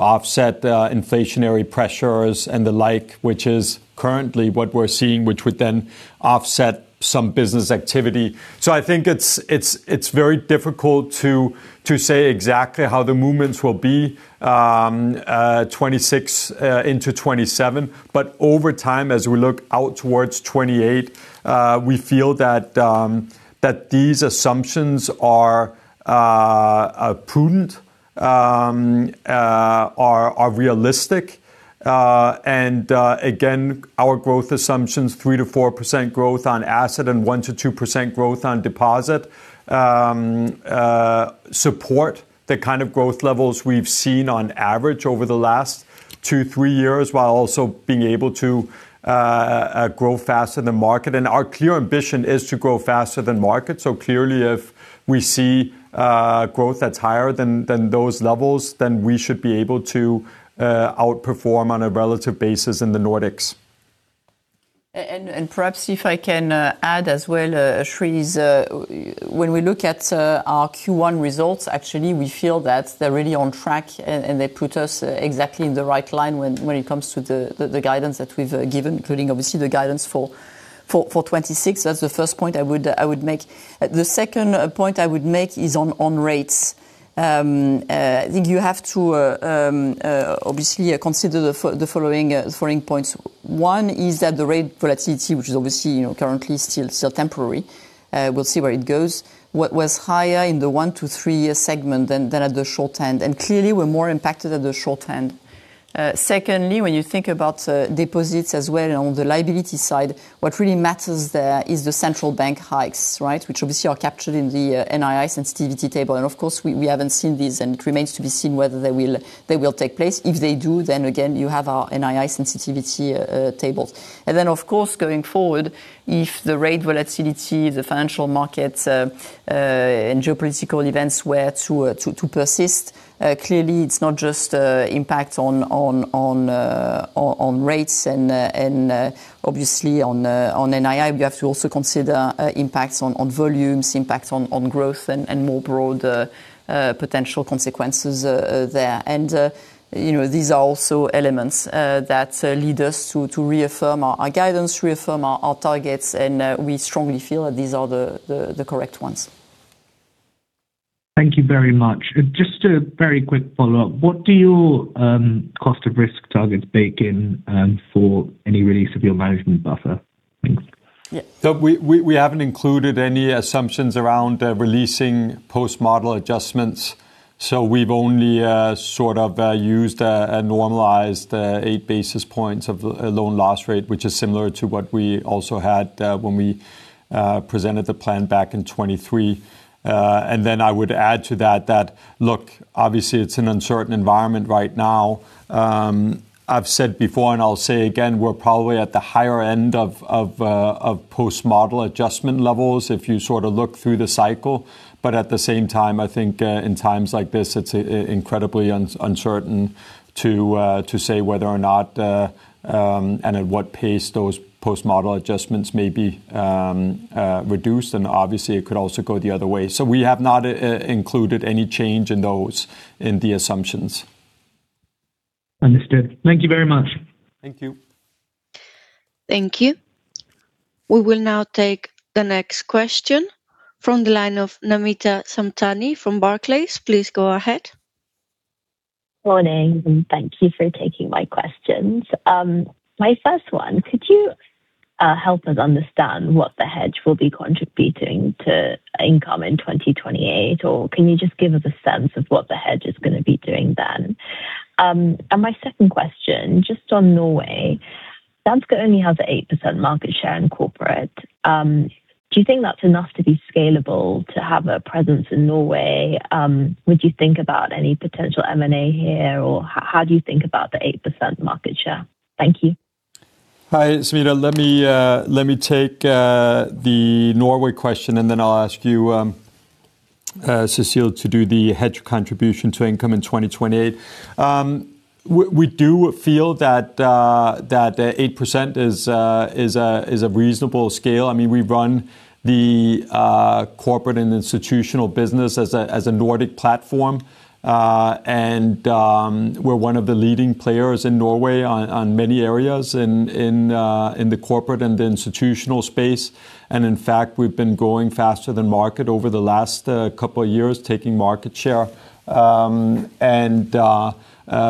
offset the inflationary pressures and the like, which is currently what we're seeing, which would then offset some business activity. I think it's very difficult to say exactly how the movements will be, 2026 into 2027. Over time, as we look out towards 2028, we feel that these assumptions are prudent and realistic, and again, our growth assumptions 3%-4% growth on asset and 1%-2% growth on deposit support the kind of growth levels we've seen on average over the last two, three years, while also being able to grow faster than market. Our clear ambition is to grow faster than market. Clearly if we see growth that's higher than those levels, then we should be able to outperform on a relative basis in the Nordics. And perhaps if I can add as well, Shrey's, when we look at our Q1 results, actually we feel that they're really on track and they put us exactly in the right line when it comes to the guidance that we've given, including obviously the guidance for 2026. That's the first point I would make. The second point I would make is on rates. I think you have to obviously consider the following points. One is that the rate volatility, which is obviously, you know, currently still temporary, we'll see where it goes, was higher in the one to three year segment than at the short end. Clearly we're more impacted at the short end. Secondly, when you think about deposits as well on the liability side, what really matters there is the central bank hikes, right, which obviously are captured in the NII sensitivity table. Of course, we haven't seen these, and it remains to be seen whether they will take place. If they do, then again, you have our NII sensitivity tables. Then of course, going forward, if the rate volatility, the financial markets, and geopolitical events were to persist, clearly it's not just impact on rates and obviously on NII. We have to also consider impacts on volumes, impacts on growth and more broadly potential consequences there. You know, these are also elements that lead us to reaffirm our guidance, reaffirm our targets, and we strongly feel that these are the correct ones. Thank you very much. Just a very quick follow-up. What do your cost of risk targets bake in for any release of your management buffer? Thanks. Yeah. We haven't included any assumptions around releasing post-model adjustments, so we've only sort of used a normalized 8 basis points of loan loss rate, which is similar to what we also had when we presented the plan back in 2023. Then I would add to that look, obviously it's an uncertain environment right now. I've said before, and I'll say again, we're probably at the higher end of post-model adjustment levels if you sort of look through the cycle. At the same time, I think, in times like this, it's incredibly uncertain to say whether or not, and at what pace those post-model adjustments may be reduced, and obviously it could also go the other way. We have not included any change in those assumptions. Understood. Thank you very much. Thank you. Thank you. We will now take the next question from the line of Namita Samtani from Barclays. Please go ahead. Morning, and thank you for taking my questions. My first one, could you help us understand what the hedge will be contributing to income in 2028, or can you just give us a sense of what the hedge is gonna be doing then? My second question, just on Norway, Danske only has 8% market share in corporate. Do you think that's enough to be scalable to have a presence in Norway? Would you think about any potential M&A here, or how do you think about the 8% market share? Thank you. Hi, Namita. Let me take the Norway question, and then I'll ask Cecile to do the hedge contribution to income in 2028. We do feel that 8% is a reasonable scale. I mean, we run the corporate and institutional business as a Nordic platform. We're one of the leading players in Norway on many areas in the corporate and the institutional space. In fact, we've been growing faster than market over the last couple of years, taking market share.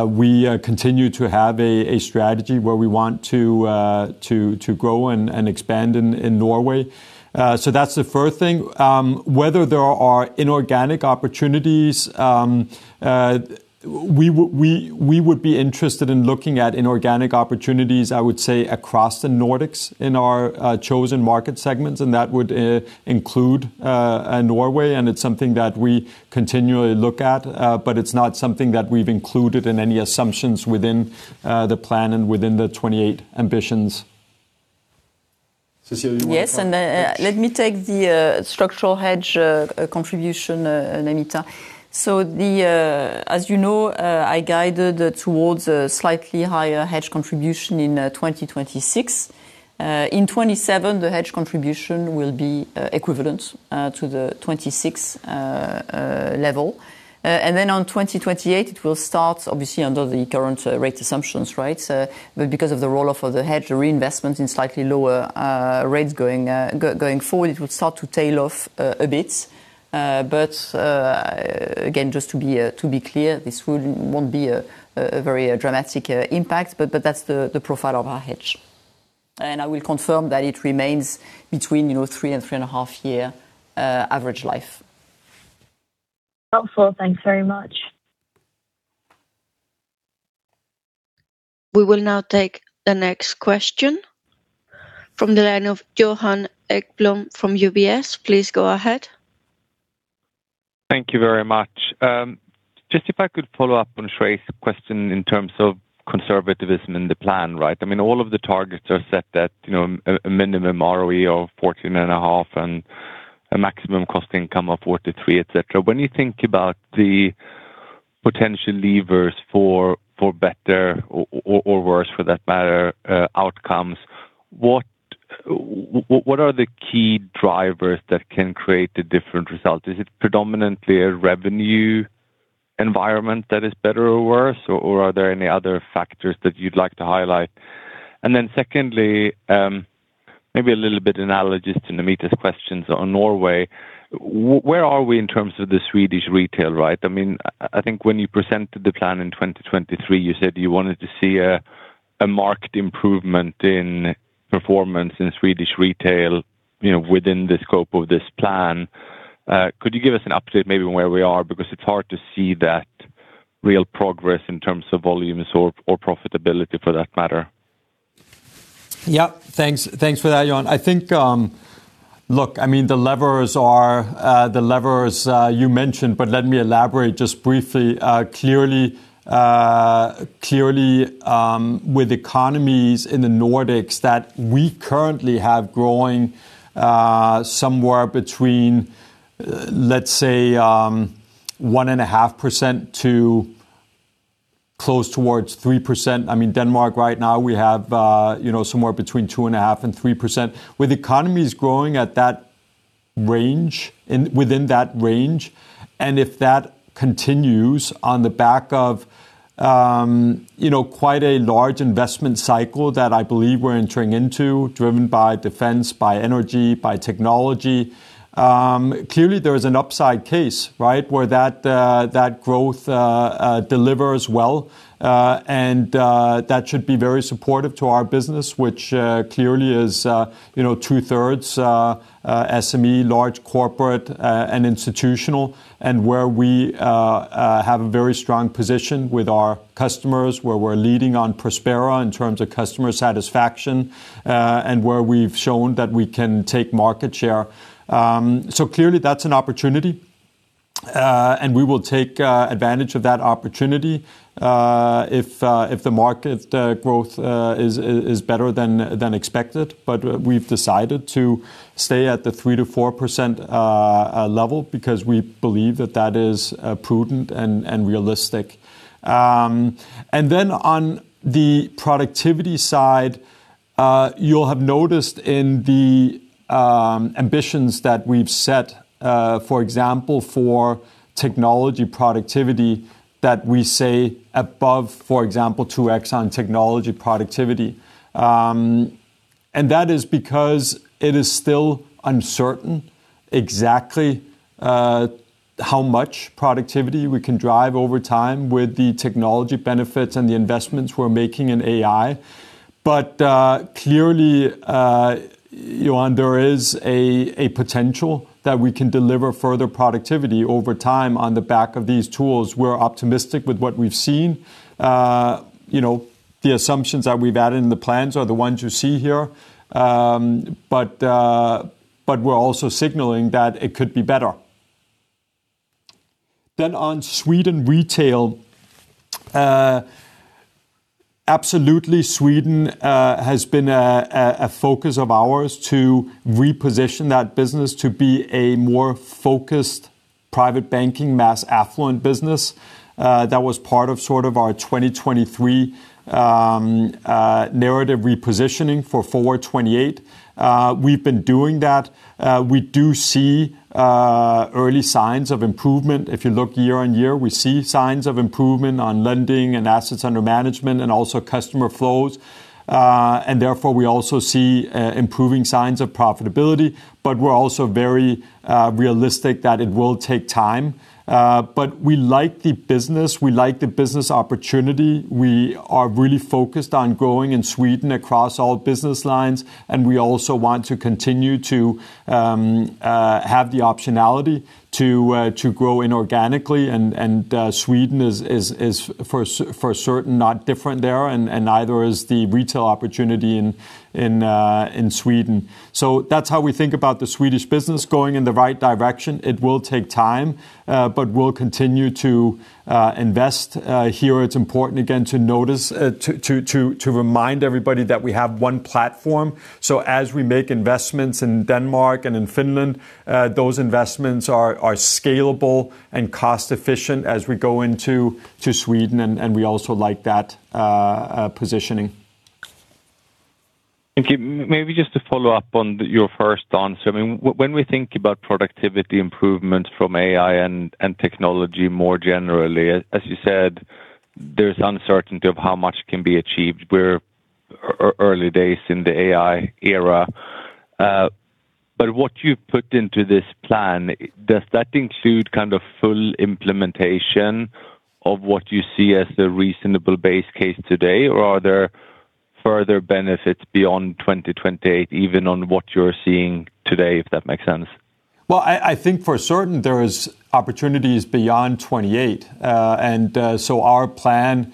We continue to have a strategy where we want to grow and expand in Norway. That's the first thing. Whether there are inorganic opportunities, we would be interested in looking at inorganic opportunities, I would say, across the Nordics in our chosen market segments, and that would include Norway, and it's something that we continually look at, but it's not something that we've included in any assumptions within the plan and within the 2028 ambitions. Cecile, you wanna talk- Yes. Let me take the structural hedge contribution, Namita. As you know, I guided towards a slightly higher hedge contribution in 2026. In 2027, the hedge contribution will be equivalent to the 2026 level. On 2028, it will start obviously under the current rate assumptions, right? Because of the roll-off of the hedge reinvestment in slightly lower rates going forward, it would start to tail off a bit. Again, just to be clear, this wouldn't, won't be a very dramatic impact, but that's the profile of our hedge. I will confirm that it remains between, you know, three and three and half year average life. Helpful. Thanks very much. We will now take the next question from the line of Johan Ekblom from UBS. Please go ahead. Thank you very much. Just if I could follow up on Shrey's question in terms of conservatism in the plan, right? I mean, all of the targets are set at a minimum ROE of 14.5% and a maximum cost/income of 43%, etc. When you think about the potential levers for better or worse for that matter, outcomes, what are the key drivers that can create the different results? Is it predominantly a revenue environment that is better or worse, or are there any other factors that you'd like to highlight? Then secondly, maybe a little bit analogous to Namita's questions on Norway, where are we in terms of the Swedish retail, right? I mean, I think when you presented the plan in 2023, you said you wanted to see a marked improvement in performance in Swedish retail, you know, within the scope of this plan. Could you give us an update maybe on where we are? Because it's hard to see that real progress in terms of volumes or profitability for that matter. Yeah. Thanks. Thanks for that, Johan. I think, look, I mean, the levers you mentioned, but let me elaborate just briefly. Clearly, with economies in the Nordics that we currently have growing somewhere between, let's say, 1.5% to close towards 3%. I mean, Denmark right now, we have, you know, somewhere between 2.5% and 3%. With economies growing at that range, within that range, and if that continues on the back of, you know, quite a large investment cycle that I believe we're entering into, driven by defense, by energy, by technology, clearly there is an upside case, right? Where that growth delivers well, and that should be very supportive to our business, which clearly is, you know, two-thirds SME, large corporate, and institutional, and where we have a very strong position with our customers, where we're leading on Prospera in terms of customer satisfaction, and where we've shown that we can take market share. So clearly that's an opportunity, and we will take advantage of that opportunity if the market growth is better than expected. But we've decided to stay at the 3%-4% level because we believe that that is prudent and realistic. On the productivity side, you'll have noticed in the ambitions that we've set, for example, for technology productivity that we say above, for example, 2x on technology productivity. That is because it is still uncertain exactly how much productivity we can drive over time with the technology benefits and the investments we're making in AI. Clearly, [inaudible] is a potential that we can deliver further productivity over time on the back of these tools. We're optimistic with what we've seen. You know, the assumptions that we've added in the plans are the ones you see here. We're also signaling that it could be better. On Sweden retail, absolutely, Sweden has been a focus of ours to reposition that business to be a more focused Private Banking mass Affluent business. That was part of sort of our 2023 narrative repositioning for Forward 2028. We've been doing that. We do see early signs of improvement. If you look year-on-year, we see signs of improvement on lending and assets under management and also customer flows. Therefore, we also see improving signs of profitability. We're also very realistic that it will take time. We like the business. We like the business opportunity. We are really focused on growing in Sweden across all business lines, and we also want to continue to have the optionality to grow inorganically. Sweden is for certain not different there, and neither is the retail opportunity in Sweden. That's how we think about the Swedish business going in the right direction. It will take time, but we'll continue to invest here. It's important again to remind everybody that we have one platform. As we make investments in Denmark and in Finland, those investments are scalable and cost efficient as we go into Sweden, and we also like that positioning. Thank you. Maybe just to follow up on your first answer. I mean, when we think about productivity improvements from AI and technology more generally, as you said, there's uncertainty of how much can be achieved. We're early days in the AI era. But what you put into this plan, does that include kind of full implementation of what you see as the reasonable base case today? Or are there further benefits beyond 2028 even on what you're seeing today, if that makes sense? Well, I think for certain there is opportunities beyond 2028. Our plan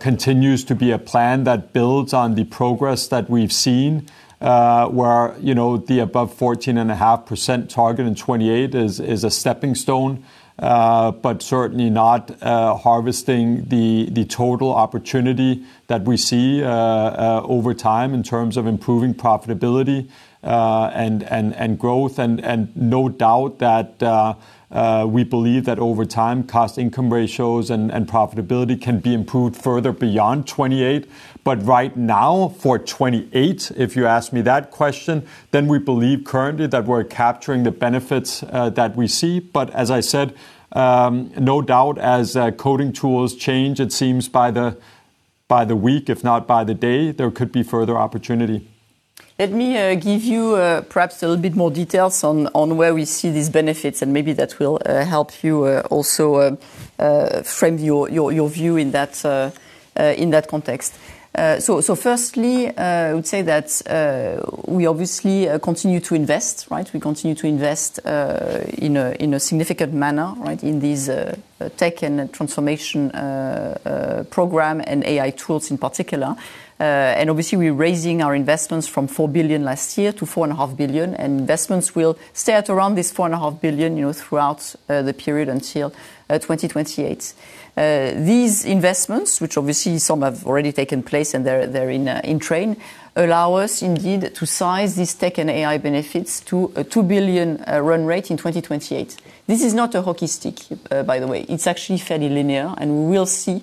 continues to be a plan that builds on the progress that we've seen, where, you know, the above 14.5% target in 2028 is a stepping stone, but certainly not harvesting the total opportunity that we see over time in terms of improving profitability and growth. No doubt that we believe that over time cost-to-income ratios and profitability can be improved further beyond 2028. Right now for 2028, if you ask me that question, then we believe currently that we're capturing the benefits that we see. As I said, no doubt as coding tools change, it seems by the week, if not by the day, there could be further opportunity. Let me give you perhaps a little bit more details on where we see these benefits, and maybe that will help you also frame your view in that context. Firstly, I would say that we obviously continue to invest, right? We continue to invest in a significant manner, right, in these tech and transformation program and AI tools in particular. Obviously we're raising our investments from 4 billion last year to 4.5 billion, and investments will stay at around 4.5 billion, you know, throughout the period until 2028. These investments, which obviously some have already taken place and they're in train, allow us indeed to size these tech and AI benefits to a 2 billion run rate in 2028. This is not a hockey stick, by the way. It's actually fairly linear, and we'll see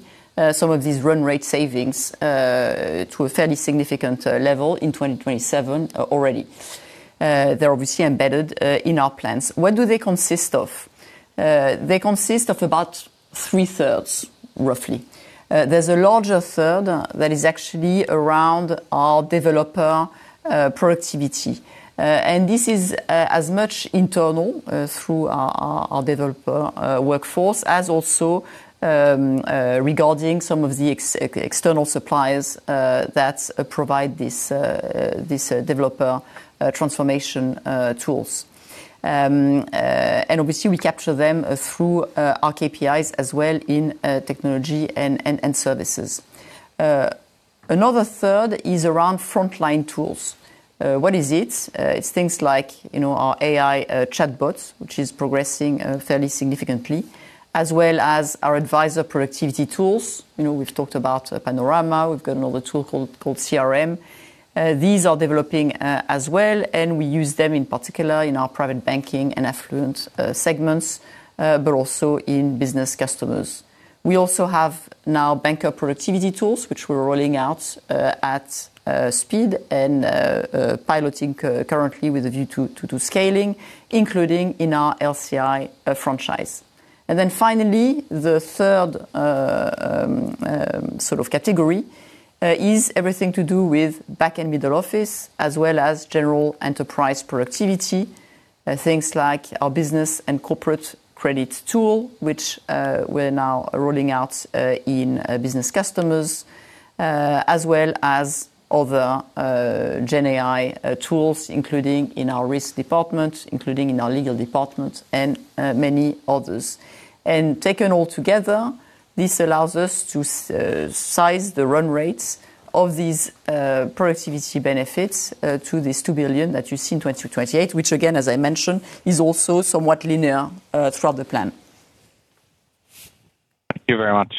some of these run rate savings to a fairly significant level in 2027 already. They're obviously embedded in our plans. What do they consist of? They consist of about 3/3 roughly. There's a larger third that is actually around our developer productivity. This is as much internal through our developer workforce as also regarding some of the external suppliers that provide this developer transformation tools. Obviously we capture them through our KPIs as well in technology and services. Another 1/3 is around frontline tools. What is it? It's things like, you know, our AI chatbots, which is progressing fairly significantly, as well as our advisor productivity tools. You know, we've talked about Panorama, we've got another tool called CRM. These are developing as well, and we use them in particular in our Private Banking and Affluent segments, but also in business customers. We also have now banker productivity tools, which we're rolling out at speed and currently piloting with a view to scaling, including in our LC&I franchise. Finally, the third sort of category is everything to do with back and middle office as well as general enterprise productivity. Things like our business and corporate credit tool, which we're now rolling out in business customers as well as other GenAI tools, including in our risk department, including in our legal department and many others. Taken all together, this allows us to size the run rates of these productivity benefits to this 2 billion that you see in 2028, which again, as I mentioned, is also somewhat linear throughout the plan. Thank you very much.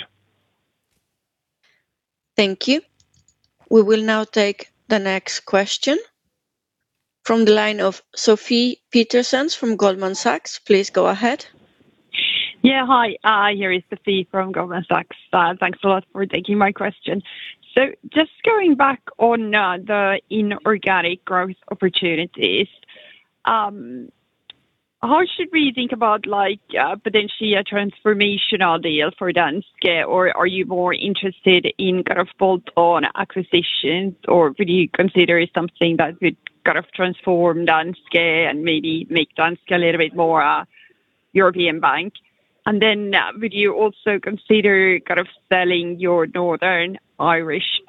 Thank you. We will now take the next question from the line of Sofie Peterzens from Goldman Sachs. Please go ahead. Yeah. Hi. Here is Sofie from Goldman Sachs. Thanks a lot for taking my question. Just going back on the inorganic growth opportunities, how should we think about like potentially a transformational deal for Danske? Or are you more interested in kind of bolt-on acquisitions, or would you consider something that would kind of transform Danske and maybe make Danske a little bit more a European bank? Would you also consider kind of selling your Northern Irish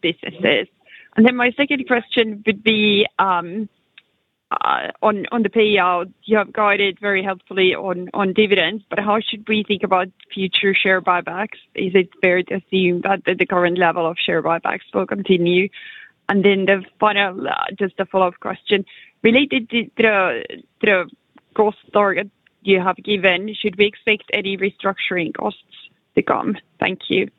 businesses? My second question would be on the payout. You have guided very helpfully on dividends, but how should we think about future share buybacks? Is it fair to assume that the current level of share buybacks will continue? The final just a follow-up question. Related to the cost target you have given, should we expect any restructuring costs to come? Thank you.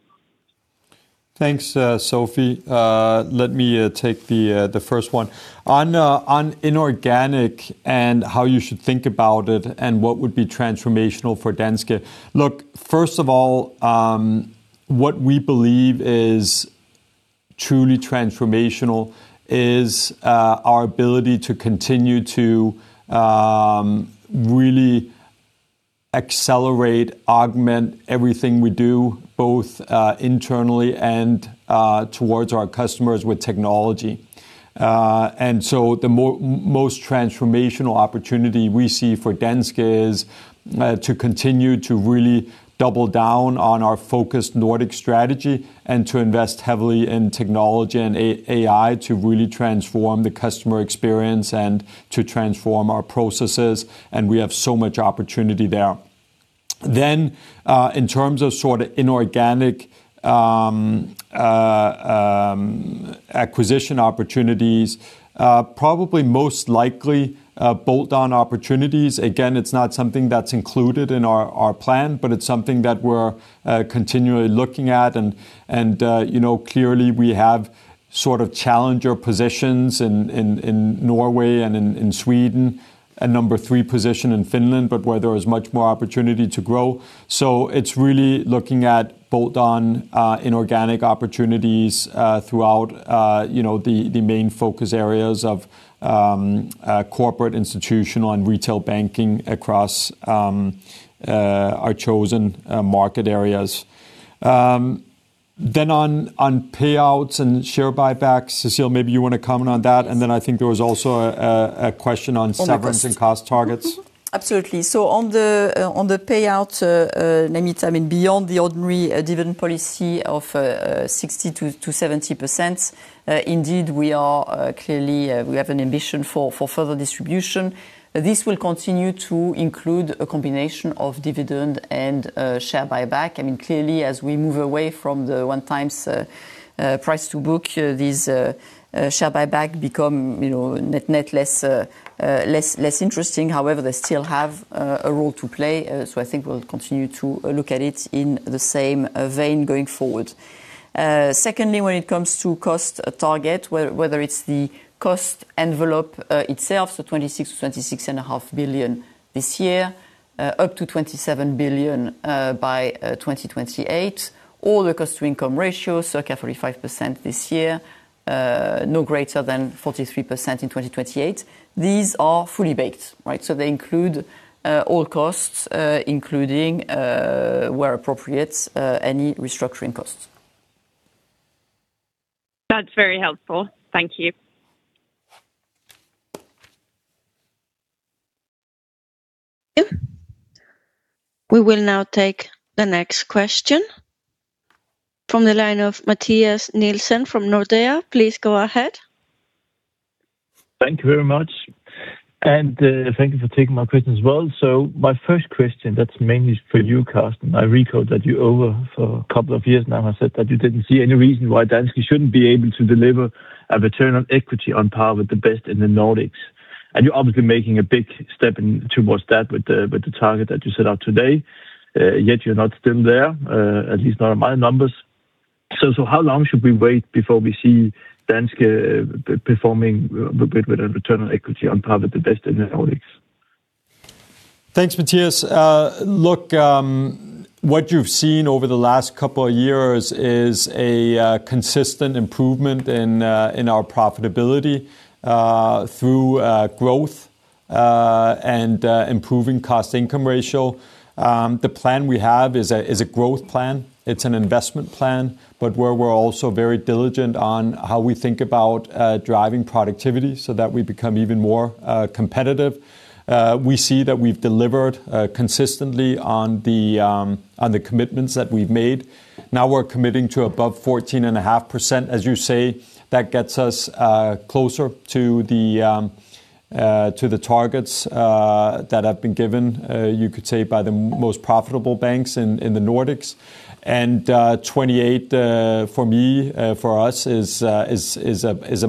Thanks, Sofie. Let me take the first one. On inorganic and how you should think about it and what would be transformational for Danske. Look, first of all, what we believe is truly transformational is our ability to continue to really accelerate, augment everything we do, both internally and towards our customers with technology. The most transformational opportunity we see for Danske is to continue to really double down on our focused Nordic strategy and to invest heavily in technology and AI to really transform the customer experience and to transform our processes, and we have so much opportunity there. In terms of sort of inorganic acquisition opportunities, probably most likely bolt-on opportunities. Again, it's not something that's included in our plan, but it's something that we're continually looking at and, you know, clearly we have sort of challenger positions in Norway and in Sweden, a number three position in Finland, but where there is much more opportunity to grow. It's really looking at bolt-on inorganic opportunities throughout, you know, the main focus areas of corporate, institutional and retail banking across our chosen market areas. On payouts and share buybacks, Cecile, maybe you wanna comment on that. I think there was also a question on severance and cost targets. Absolutely. On the payout, Namita, beyond the ordinary dividend policy of 60%-70%, indeed we are clearly, we have an ambition for further distribution. This will continue to include a combination of dividend and share buyback. I mean clearly as we move away from the one times price to book, these share buyback become, you know, net less interesting. However, they still have a role to play. I think we'll continue to look at it in the same vein going forward. Secondly, when it comes to cost target, whether it's the cost envelope itself, 26 billion-26.5 billion this year, up to 27 billion by 2028, or the cost-to-income ratio, circa 35% this year, no greater than 43% in 2028. These are fully baked, right? They include all costs, including where appropriate any restructuring costs. That's very helpful. Thank you. Thank you. We will now take the next question from the line of Mathias Nielsen from Nordea. Please go ahead. Thank you very much. Thank you for taking my question as well. My first question, that's mainly for you, Carsten. I recall that you over for a couple of years now have said that you didn't see any reason why Danske Bank shouldn't be able to deliver a return on equity on par with the best in the Nordics. You're obviously making a big step in towards that with the target that you set out today. Yet you're not still there, at least not in my numbers. How long should we wait before we see Danske Bank performing with a return on equity on par with the best in the Nordics? Thanks, Mathias. Look, what you've seen over the last couple of years is a consistent improvement in our profitability through growth and improving cost-to-income ratio. The plan we have is a growth plan. It's an investment plan, where we're also very diligent on how we think about driving productivity so that we become even more competitive. We see that we've delivered consistently on the commitments that we've made. We're committing to above 14.5%. As you say, that gets us closer to the targets that have been given, you could say by the most profitable banks in the Nordics. 2028, for me, for us is a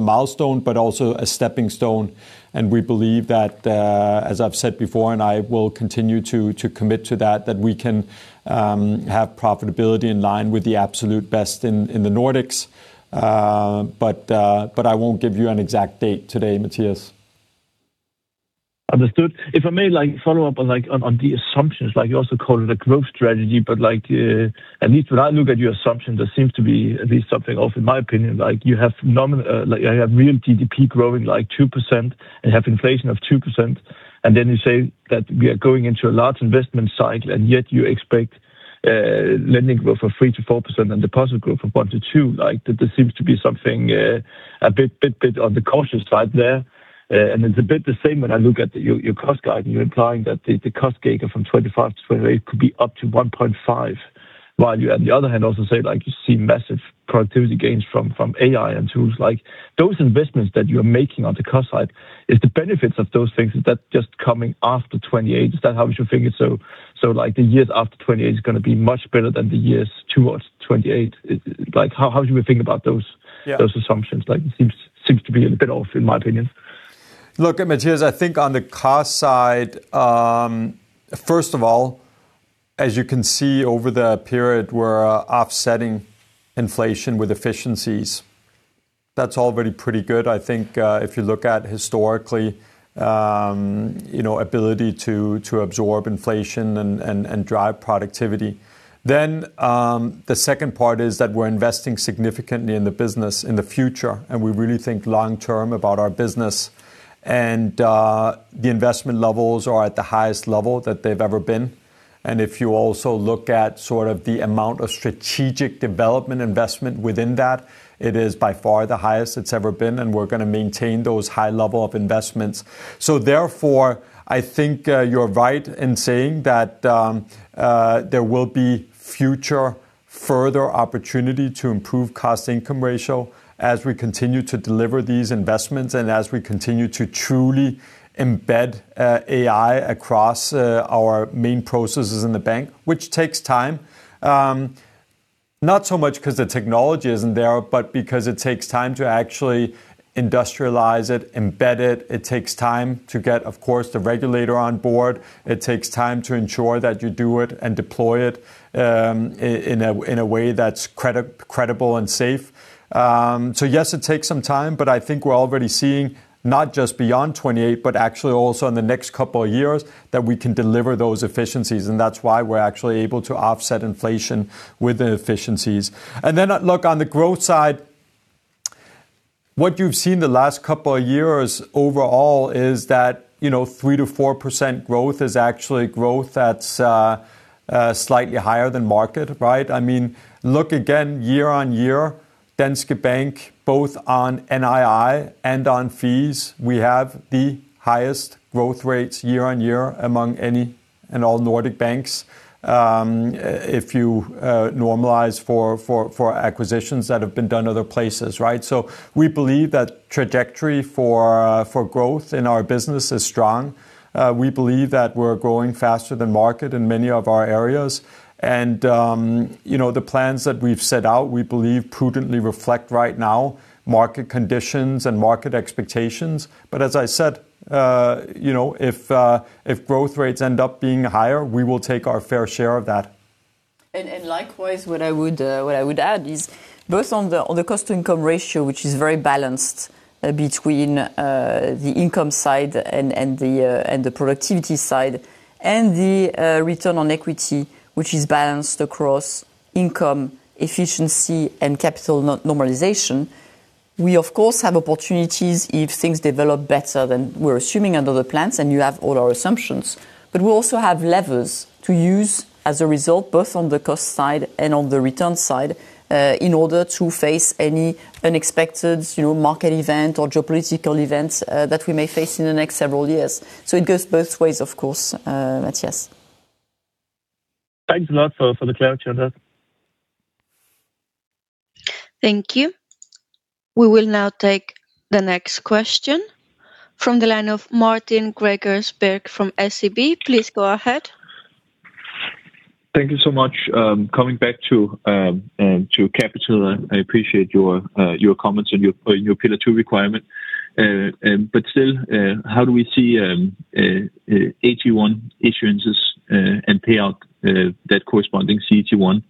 milestone, but also a stepping stone. We believe that, as I've said before, and I will continue to commit to that we can, have profitability in line with the absolute best in the Nordics. But I won't give you an exact date today, Mathias. Understood. If I may, like, follow up on the assumptions. Like you also called it a growth strategy, but like, at least when I look at your assumptions, there seems to be at least something off in my opinion. Like you have real GDP growing like 2% and have inflation of 2%, and then you say that we are going into a large investment cycle, and yet you expect lending growth of 3%-4% and deposit growth of 1%-2%. Like there seems to be something a bit on the cautious side there. It's a bit the same when I look at your cost guide, and you're implying that the cost gain from 2025-2028 could be up to 1.5%, while you on the other hand also say like you see massive productivity gains from AI and tools. Those investments that you're making on the cost side, is the benefits of those things, is that just coming after 2028? Is that how we should think it? The years after 2028 is gonna be much better than the years towards 2028. How should we think about those? Yeah Those assumptions? Like it seems to be a bit off in my opinion. Look, Mathias, I think on the cost side, first of all, as you can see over the period, we're offsetting inflation with efficiencies. That's already pretty good. I think, if you look at historically, you know, ability to absorb inflation and drive productivity. The second part is that we're investing significantly in the business in the future, and we really think long term about our business. The investment levels are at the highest level that they've ever been. If you also look at sort of the amount of strategic development investment within that, it is by far the highest it's ever been, and we're gonna maintain those high level of investments. Therefore, I think, you're right in saying that there will be future further opportunity to improve cost-to-income ratio as we continue to deliver these investments and as we continue to truly embed AI across our main processes in the bank, which takes time. Not so much 'cause the technology isn't there, but because it takes time to actually industrialize it, embed it. It takes time to get, of course, the regulator on board. It takes time to ensure that you do it and deploy it in a way that's credible and safe. Yes, it takes some time, but I think we're already seeing not just beyond 2028, but actually also in the next couple of years that we can deliver those efficiencies, and that's why we're actually able to offset inflation with the efficiencies. Look, on the growth side, what you've seen the last couple of years overall is that, you know, 3%-4% growth is actually growth that's slightly higher than market, right? I mean, look again year-on-year, Danske Bank, both on NII and on fees, we have the highest growth rates year-on-year among any and all Nordic banks. If you normalize for acquisitions that have been done other places, right? We believe that trajectory for growth in our business is strong. We believe that we're growing faster than market in many of our areas. You know, the plans that we've set out, we believe prudently reflect right now market conditions and market expectations. As I said, you know, if growth rates end up being higher, we will take our fair share of that. Likewise, what I would add is both on the cost-to-income ratio, which is very balanced between the income side and the productivity side, and the return on equity, which is balanced across income, efficiency and capital normalization. We also have levers to use as a result, both on the cost side and on the return side, in order to face any unexpected, you know, market event or geopolitical events that we may face in the next several years. It goes both ways, of course, Mathias. Thanks a lot for the clarity on that. Thank you. We will now take the next question from the line of Martin Gregers Birk from SEB. Please go ahead. Thank you so much. Coming back to capital, I appreciate your comments on your Pillar II requirement. Still, how do we see AT1 issuances and payout that corresponding CET1?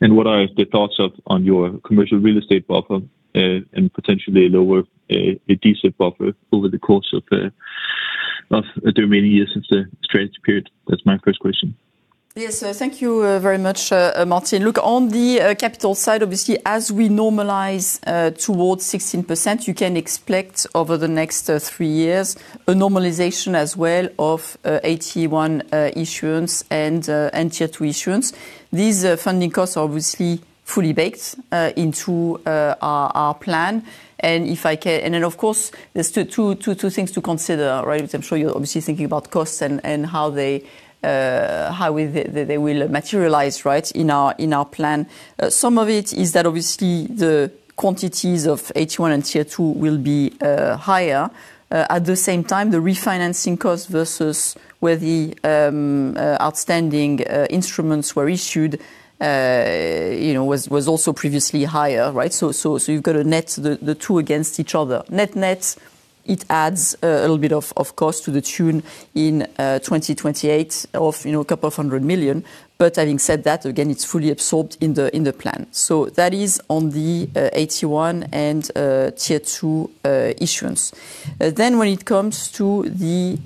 What are the thoughts on your commercial real estate buffer and potentially lower [CRE] buffer over the course of the remaining years since the strategy period? That's my first question. Yes. Thank you very much, Martin. Look, on the capital side, obviously, as we normalize toward 16%, you can expect over the next three years a normalization as well of AT1 issuance and Tier Two issuance. These funding costs are obviously fully baked into our plan. Of course, there's two things to consider, right? I'm sure you're obviously thinking about costs and how they will materialize, right, in our plan. Some of it is that obviously the quantities of AT1 and Tier Two will be higher. At the same time, the refinancing cost versus where the outstanding instruments were issued, you know, was also previously higher, right? You've got to net the two against each other. Net-net, it adds a little bit of cost to the tune of 200 million in 2028. Having said that, again, it's fully absorbed in the plan. That is on the AT1 and Tier Two issuance. When it comes to the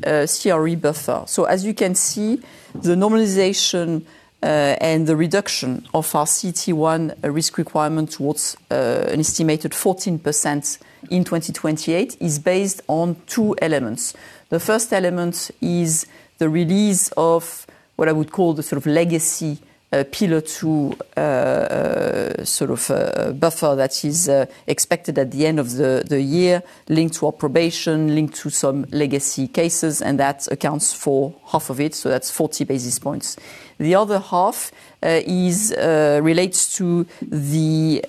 CRE buffer. As you can see, the normalization and the reduction of our CET1 risk requirement towards an estimated 14% in 2028 is based on two elements. The first element is the release of what I would call the sort of legacy Pillar II sort of a buffer that is expected at the end of the year, linked to approbation, linked to some legacy cases, and that accounts for half of it, so that's 40 basis points. The other half relates to the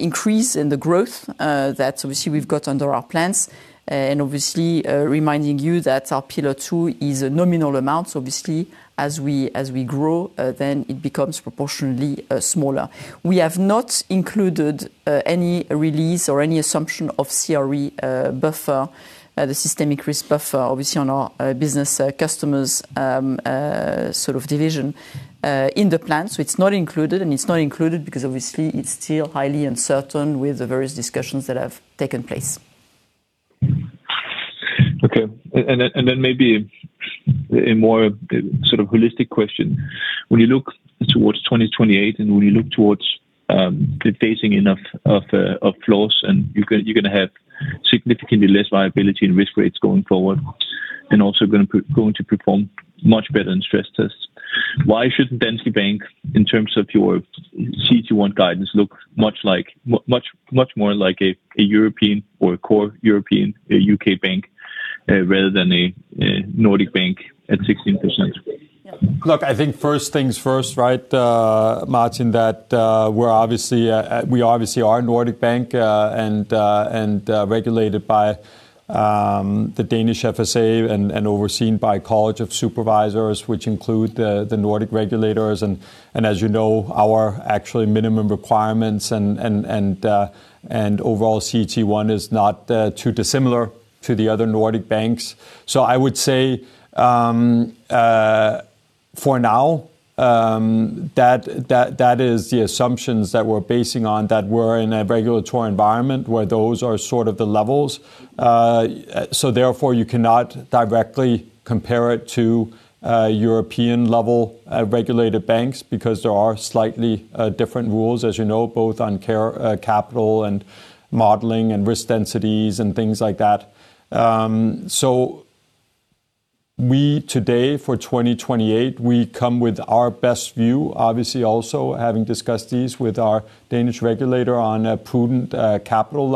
increase in the growth that obviously we've got under our plans, and obviously, reminding you that our Pillar II is a nominal amount. Obviously, as we grow, then it becomes proportionally smaller. We have not included any release or any assumption of CRE buffer, the systemic risk buffer, obviously on our business customers sort of division in the plan. It's not included because obviously it's still highly uncertain with the various discussions that have taken place. Okay. Maybe a more sort of holistic question. When you look towards 2028 and when you look towards, we've been facing enough of our flaws and you're gonna have significantly less liability and risk rates going forward, and also going to perform much better in stress tests. Why shouldn't Danske Bank, in terms of your CET1 guidance look much more like a European or a core European UK bank, rather than a Nordic bank at 16%? Look, I think first things first, right, Martin, that we're obviously we obviously are a Nordic bank, and regulated by the Danish FSA and overseen by College of Supervisors, which include the Nordic regulators. As you know, our actual minimum requirements and overall CET1 is not too dissimilar to the other Nordic banks. I would say, for now, that is the assumptions that we're basing on that we're in a regulatory environment where those are sort of the levels. Therefore, you cannot directly compare it to European level regulated banks because there are slightly different rules, as you know, both on capital and modeling and risk densities and things like that. Today, for 2028, we come with our best view, obviously also having discussed these with our Danish regulator on a prudent capital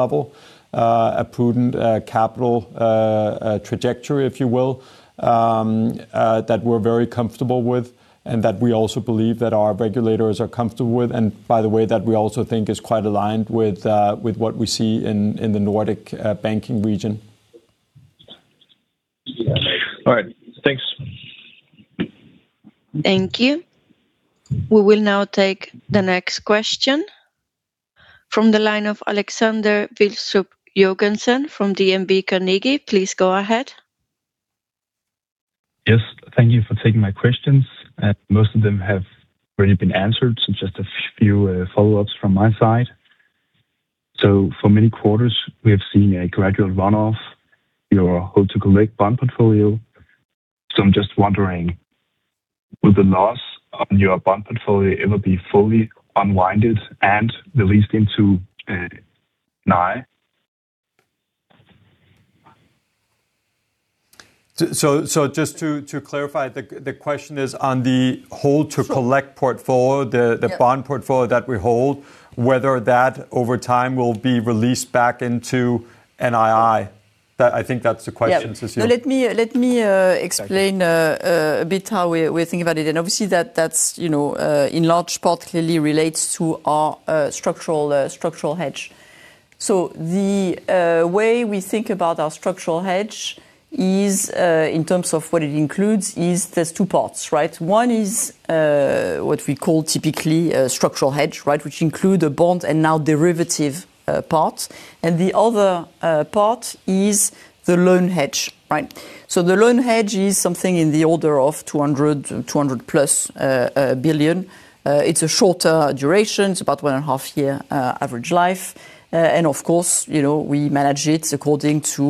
trajectory, if you will, that we're very comfortable with and that we also believe that our regulators are comfortable with. By the way, that we also think is quite aligned with what we see in the Nordic banking region. All right. Thanks. Thank you. We will now take the next question from the line of Alexander Vilstrup-Jørgensen from DNB Carnegie. Please go ahead. Yes. Thank you for taking my questions. Most of them have already been answered, so just a few follow-ups from my side. For many quarters, we have seen a gradual run-off of your hold-to-collect bond portfolio. I'm just wondering, will the loss on your bond portfolio ever be fully unwound and released into NII? Just to clarify, the question is on the hold to collect portfolio, the- Yeah. ...the bond portfolio that we hold, whether that over time will be released back into NII. That, I think that's the question, Cecile. Yeah. Let me explain a bit how we think about it. Obviously that you know in large part clearly relates to our structural hedge. The way we think about our structural hedge is in terms of what it includes. There's two parts, right? One is what we call typically a structural hedge, right? Which include a bond and non-derivative part. The other part is the loan hedge, right? The loan hedge is something in the order of 200+ billion. It's a shorter duration. It's about one and half year average life. Of course, you know, we manage it according to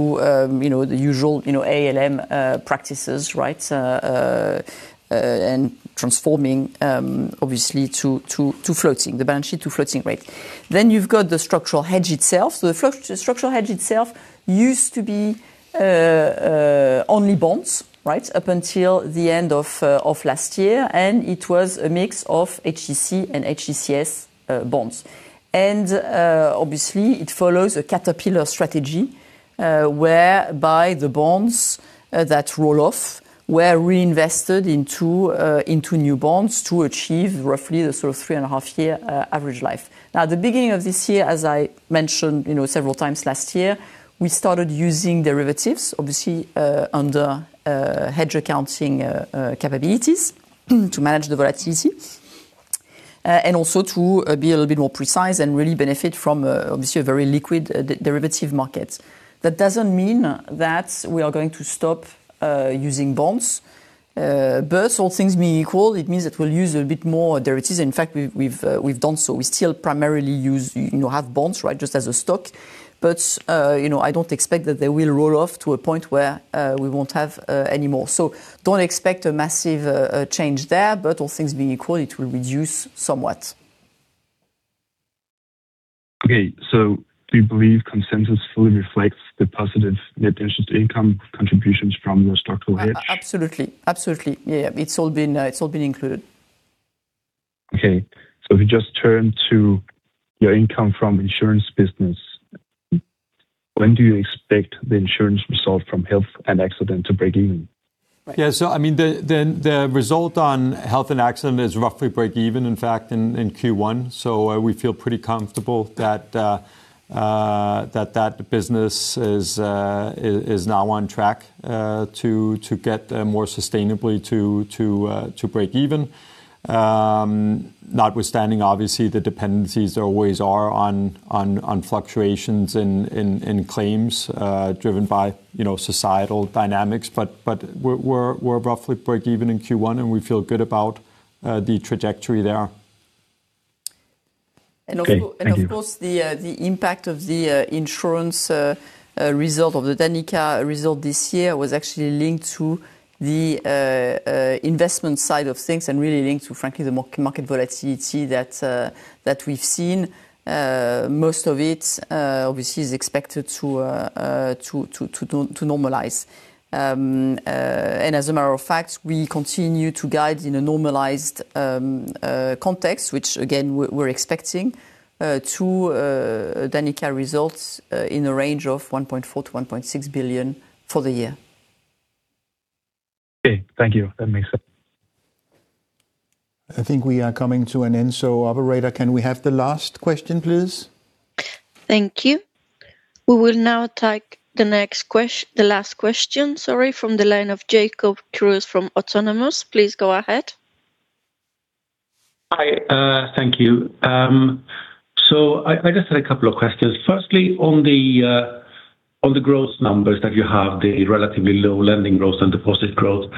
you know the usual you know ALM practices, right? Transforming obviously to floating, the balance sheet to floating rate. You've got the structural hedge itself. The structural hedge itself used to be only bonds, right? Up until the end of last year, and it was a mix of HTC and HTCS bonds. Obviously, it follows a caterpillar strategy, whereby the bonds that roll off were reinvested into new bonds to achieve roughly the sort of three and half year average life. Now, at the beginning of this year, as I mentioned, you know, several times last year, we started using derivatives, obviously, under hedge accounting capabilities to manage the volatility, and also to be a little bit more precise and really benefit from obviously a very liquid derivative market. That doesn't mean that we are going to stop using bonds. All things being equal, it means that we'll use a bit more derivatives. In fact, we've done so. We still primarily use, you know, have bonds, right? Just as a stock. You know, I don't expect that they will roll off to a point where we won't have any more. Don't expect a massive change there, but all things being equal, it will reduce somewhat. Okay. Do you believe consensus fully reflects the positive net interest income contributions from your structural hedge? Absolutely. Yeah. It's all been included. Okay. If you just turn to your income from insurance business, when do you expect the insurance result from Health and Accident to break even? Yeah. I mean, the result on Health and Accident is roughly break even, in fact, in Q1. We feel pretty comfortable that that business is now on track to break even. Notwithstanding obviously, the dependencies there always are on fluctuations in claims driven by, you know, societal dynamics. We're roughly break even in Q1, and we feel good about the trajectory there. Of course, the impact of the insurance result of the Danica result this year was actually linked to the investment side of things and really linked to, frankly, the market volatility that we've seen. Most of it obviously is expected to normalize. As a matter of fact, we continue to guide in a normalized context, which again we're expecting to Danica results in the range of 1.4 billion-1.6 billion for the year. Okay. Thank you. That makes sense. I think we are coming to an end. Operator, can we have the last question, please? Thank you. We will now take the last question, sorry, from the line of Jacob Kruse from Autonomous. Please go ahead. Hi, thank you. So I just had a couple of questions. Firstly, on the growth numbers that you have, the relatively low lending growth and deposit growth,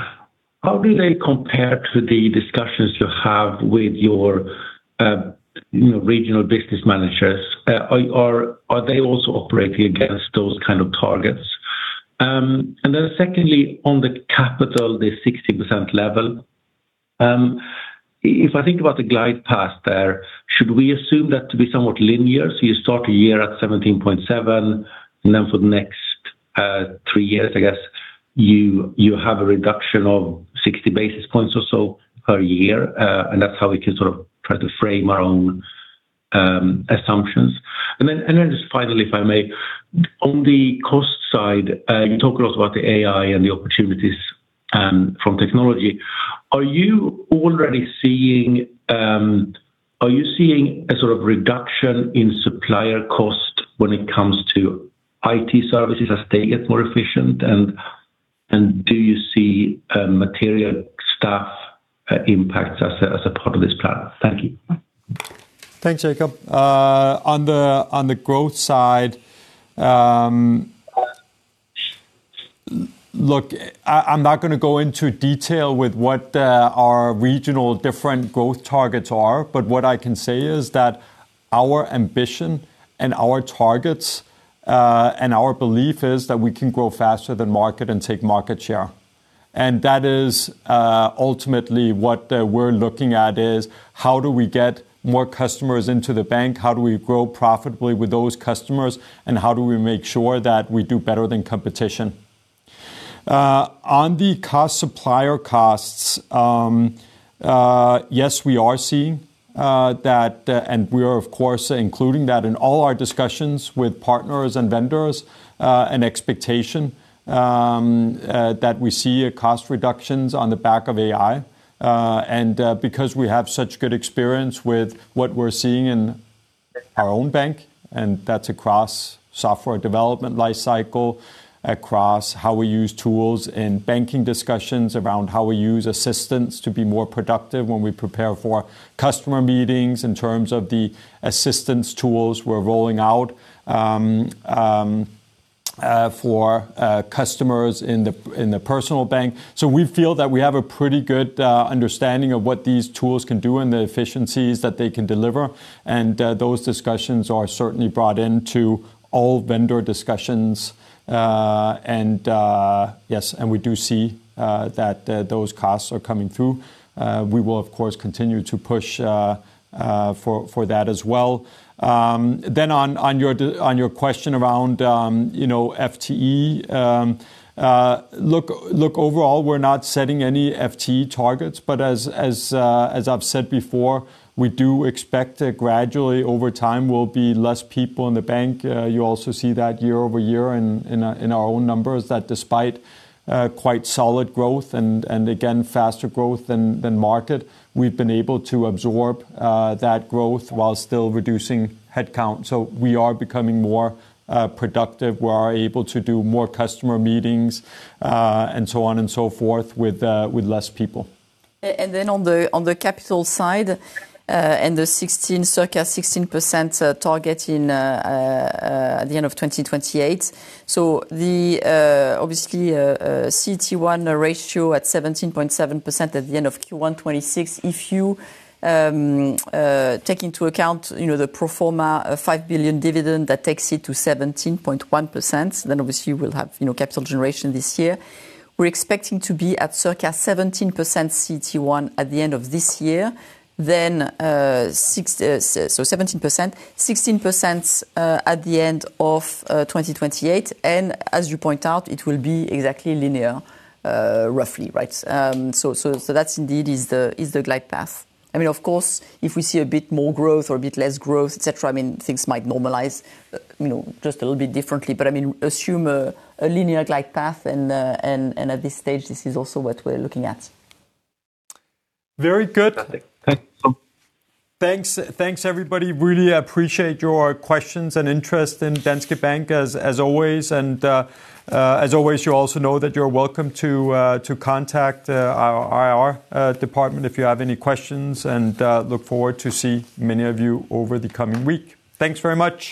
how do they compare to the discussions you have with your, you know, regional business managers? Are they also operating against those kind of targets? And then secondly, on the capital, the 60% level, if I think about the glide path there, should we assume that to be somewhat linear, so you start a year at 17.7%, and then for the next three years, I guess, you have a reduction of 60 basis points or so per year, and that's how we can sort of try to frame our own assumptions. Just finally, if I may, on the cost side, you talk a lot about the AI and the opportunities from technology. Are you already seeing a sort of reduction in supplier cost when it comes to IT services as they get more efficient and do you see material staff impacts as a part of this plan? Thank you. Thanks, Jacob. On the growth side, I'm not gonna go into detail with what our regional different growth targets are, but what I can say is that our ambition and our targets and our belief is that we can grow faster than market and take market share. That is ultimately what we're looking at is how do we get more customers into the bank, how do we grow profitably with those customers, and how do we make sure that we do better than competition. On the cost side, supplier costs, yes, we are seeing that and we are of course including that in all our discussions with partners and vendors, an expectation that we see cost reductions on the back of AI. Because we have such good experience with what we're seeing in our own bank, and that's across software development life cycle, across how we use tools in banking discussions around how we use assistants to be more productive when we prepare for customer meetings in terms of the assistance tools we're rolling out for customers in the personal bank. We feel that we have a pretty good understanding of what these tools can do and the efficiencies that they can deliver. Those discussions are certainly brought into all vendor discussions. Yes, we do see that those costs are coming through. We will of course continue to push for that as well. On your question around, you know, FTE, look, overall, we're not setting any FTE targets, but as I've said before, we do expect gradually over time will be less people in the bank. You also see that year-over-year in our own numbers that despite quite solid growth and again, faster growth than market, we've been able to absorb that growth while still reducing headcount. We are becoming more productive. We are able to do more customer meetings and so on and so forth with less people. On the capital side and the circa 16% target at the end of 2028. The obviously CET1 ratio at 17.7% at the end of Q1 2026. If you take into account, you know, the pro forma of 5 billion dividend that takes it to 17.1%, then obviously you will have, you know, capital generation this year. We're expecting to be at circa 17% CET1 at the end of this year. 17%, 16% at the end of 2028. As you point out, it will be exactly linear, roughly, right? That's indeed the glide path. I mean, of course, if we see a bit more growth or a bit less growth, etc, I mean, things might normalize, you know, just a little bit differently. I mean, assume a linear glide path and at this stage, this is also what we're looking at. Very good. Okay. Thank you. Thanks, everybody. Really appreciate your questions and interest in Danske Bank as always. As always, you also know that you're welcome to contact our IR department if you have any questions, and look forward to see many of you over the coming week. Thanks very much.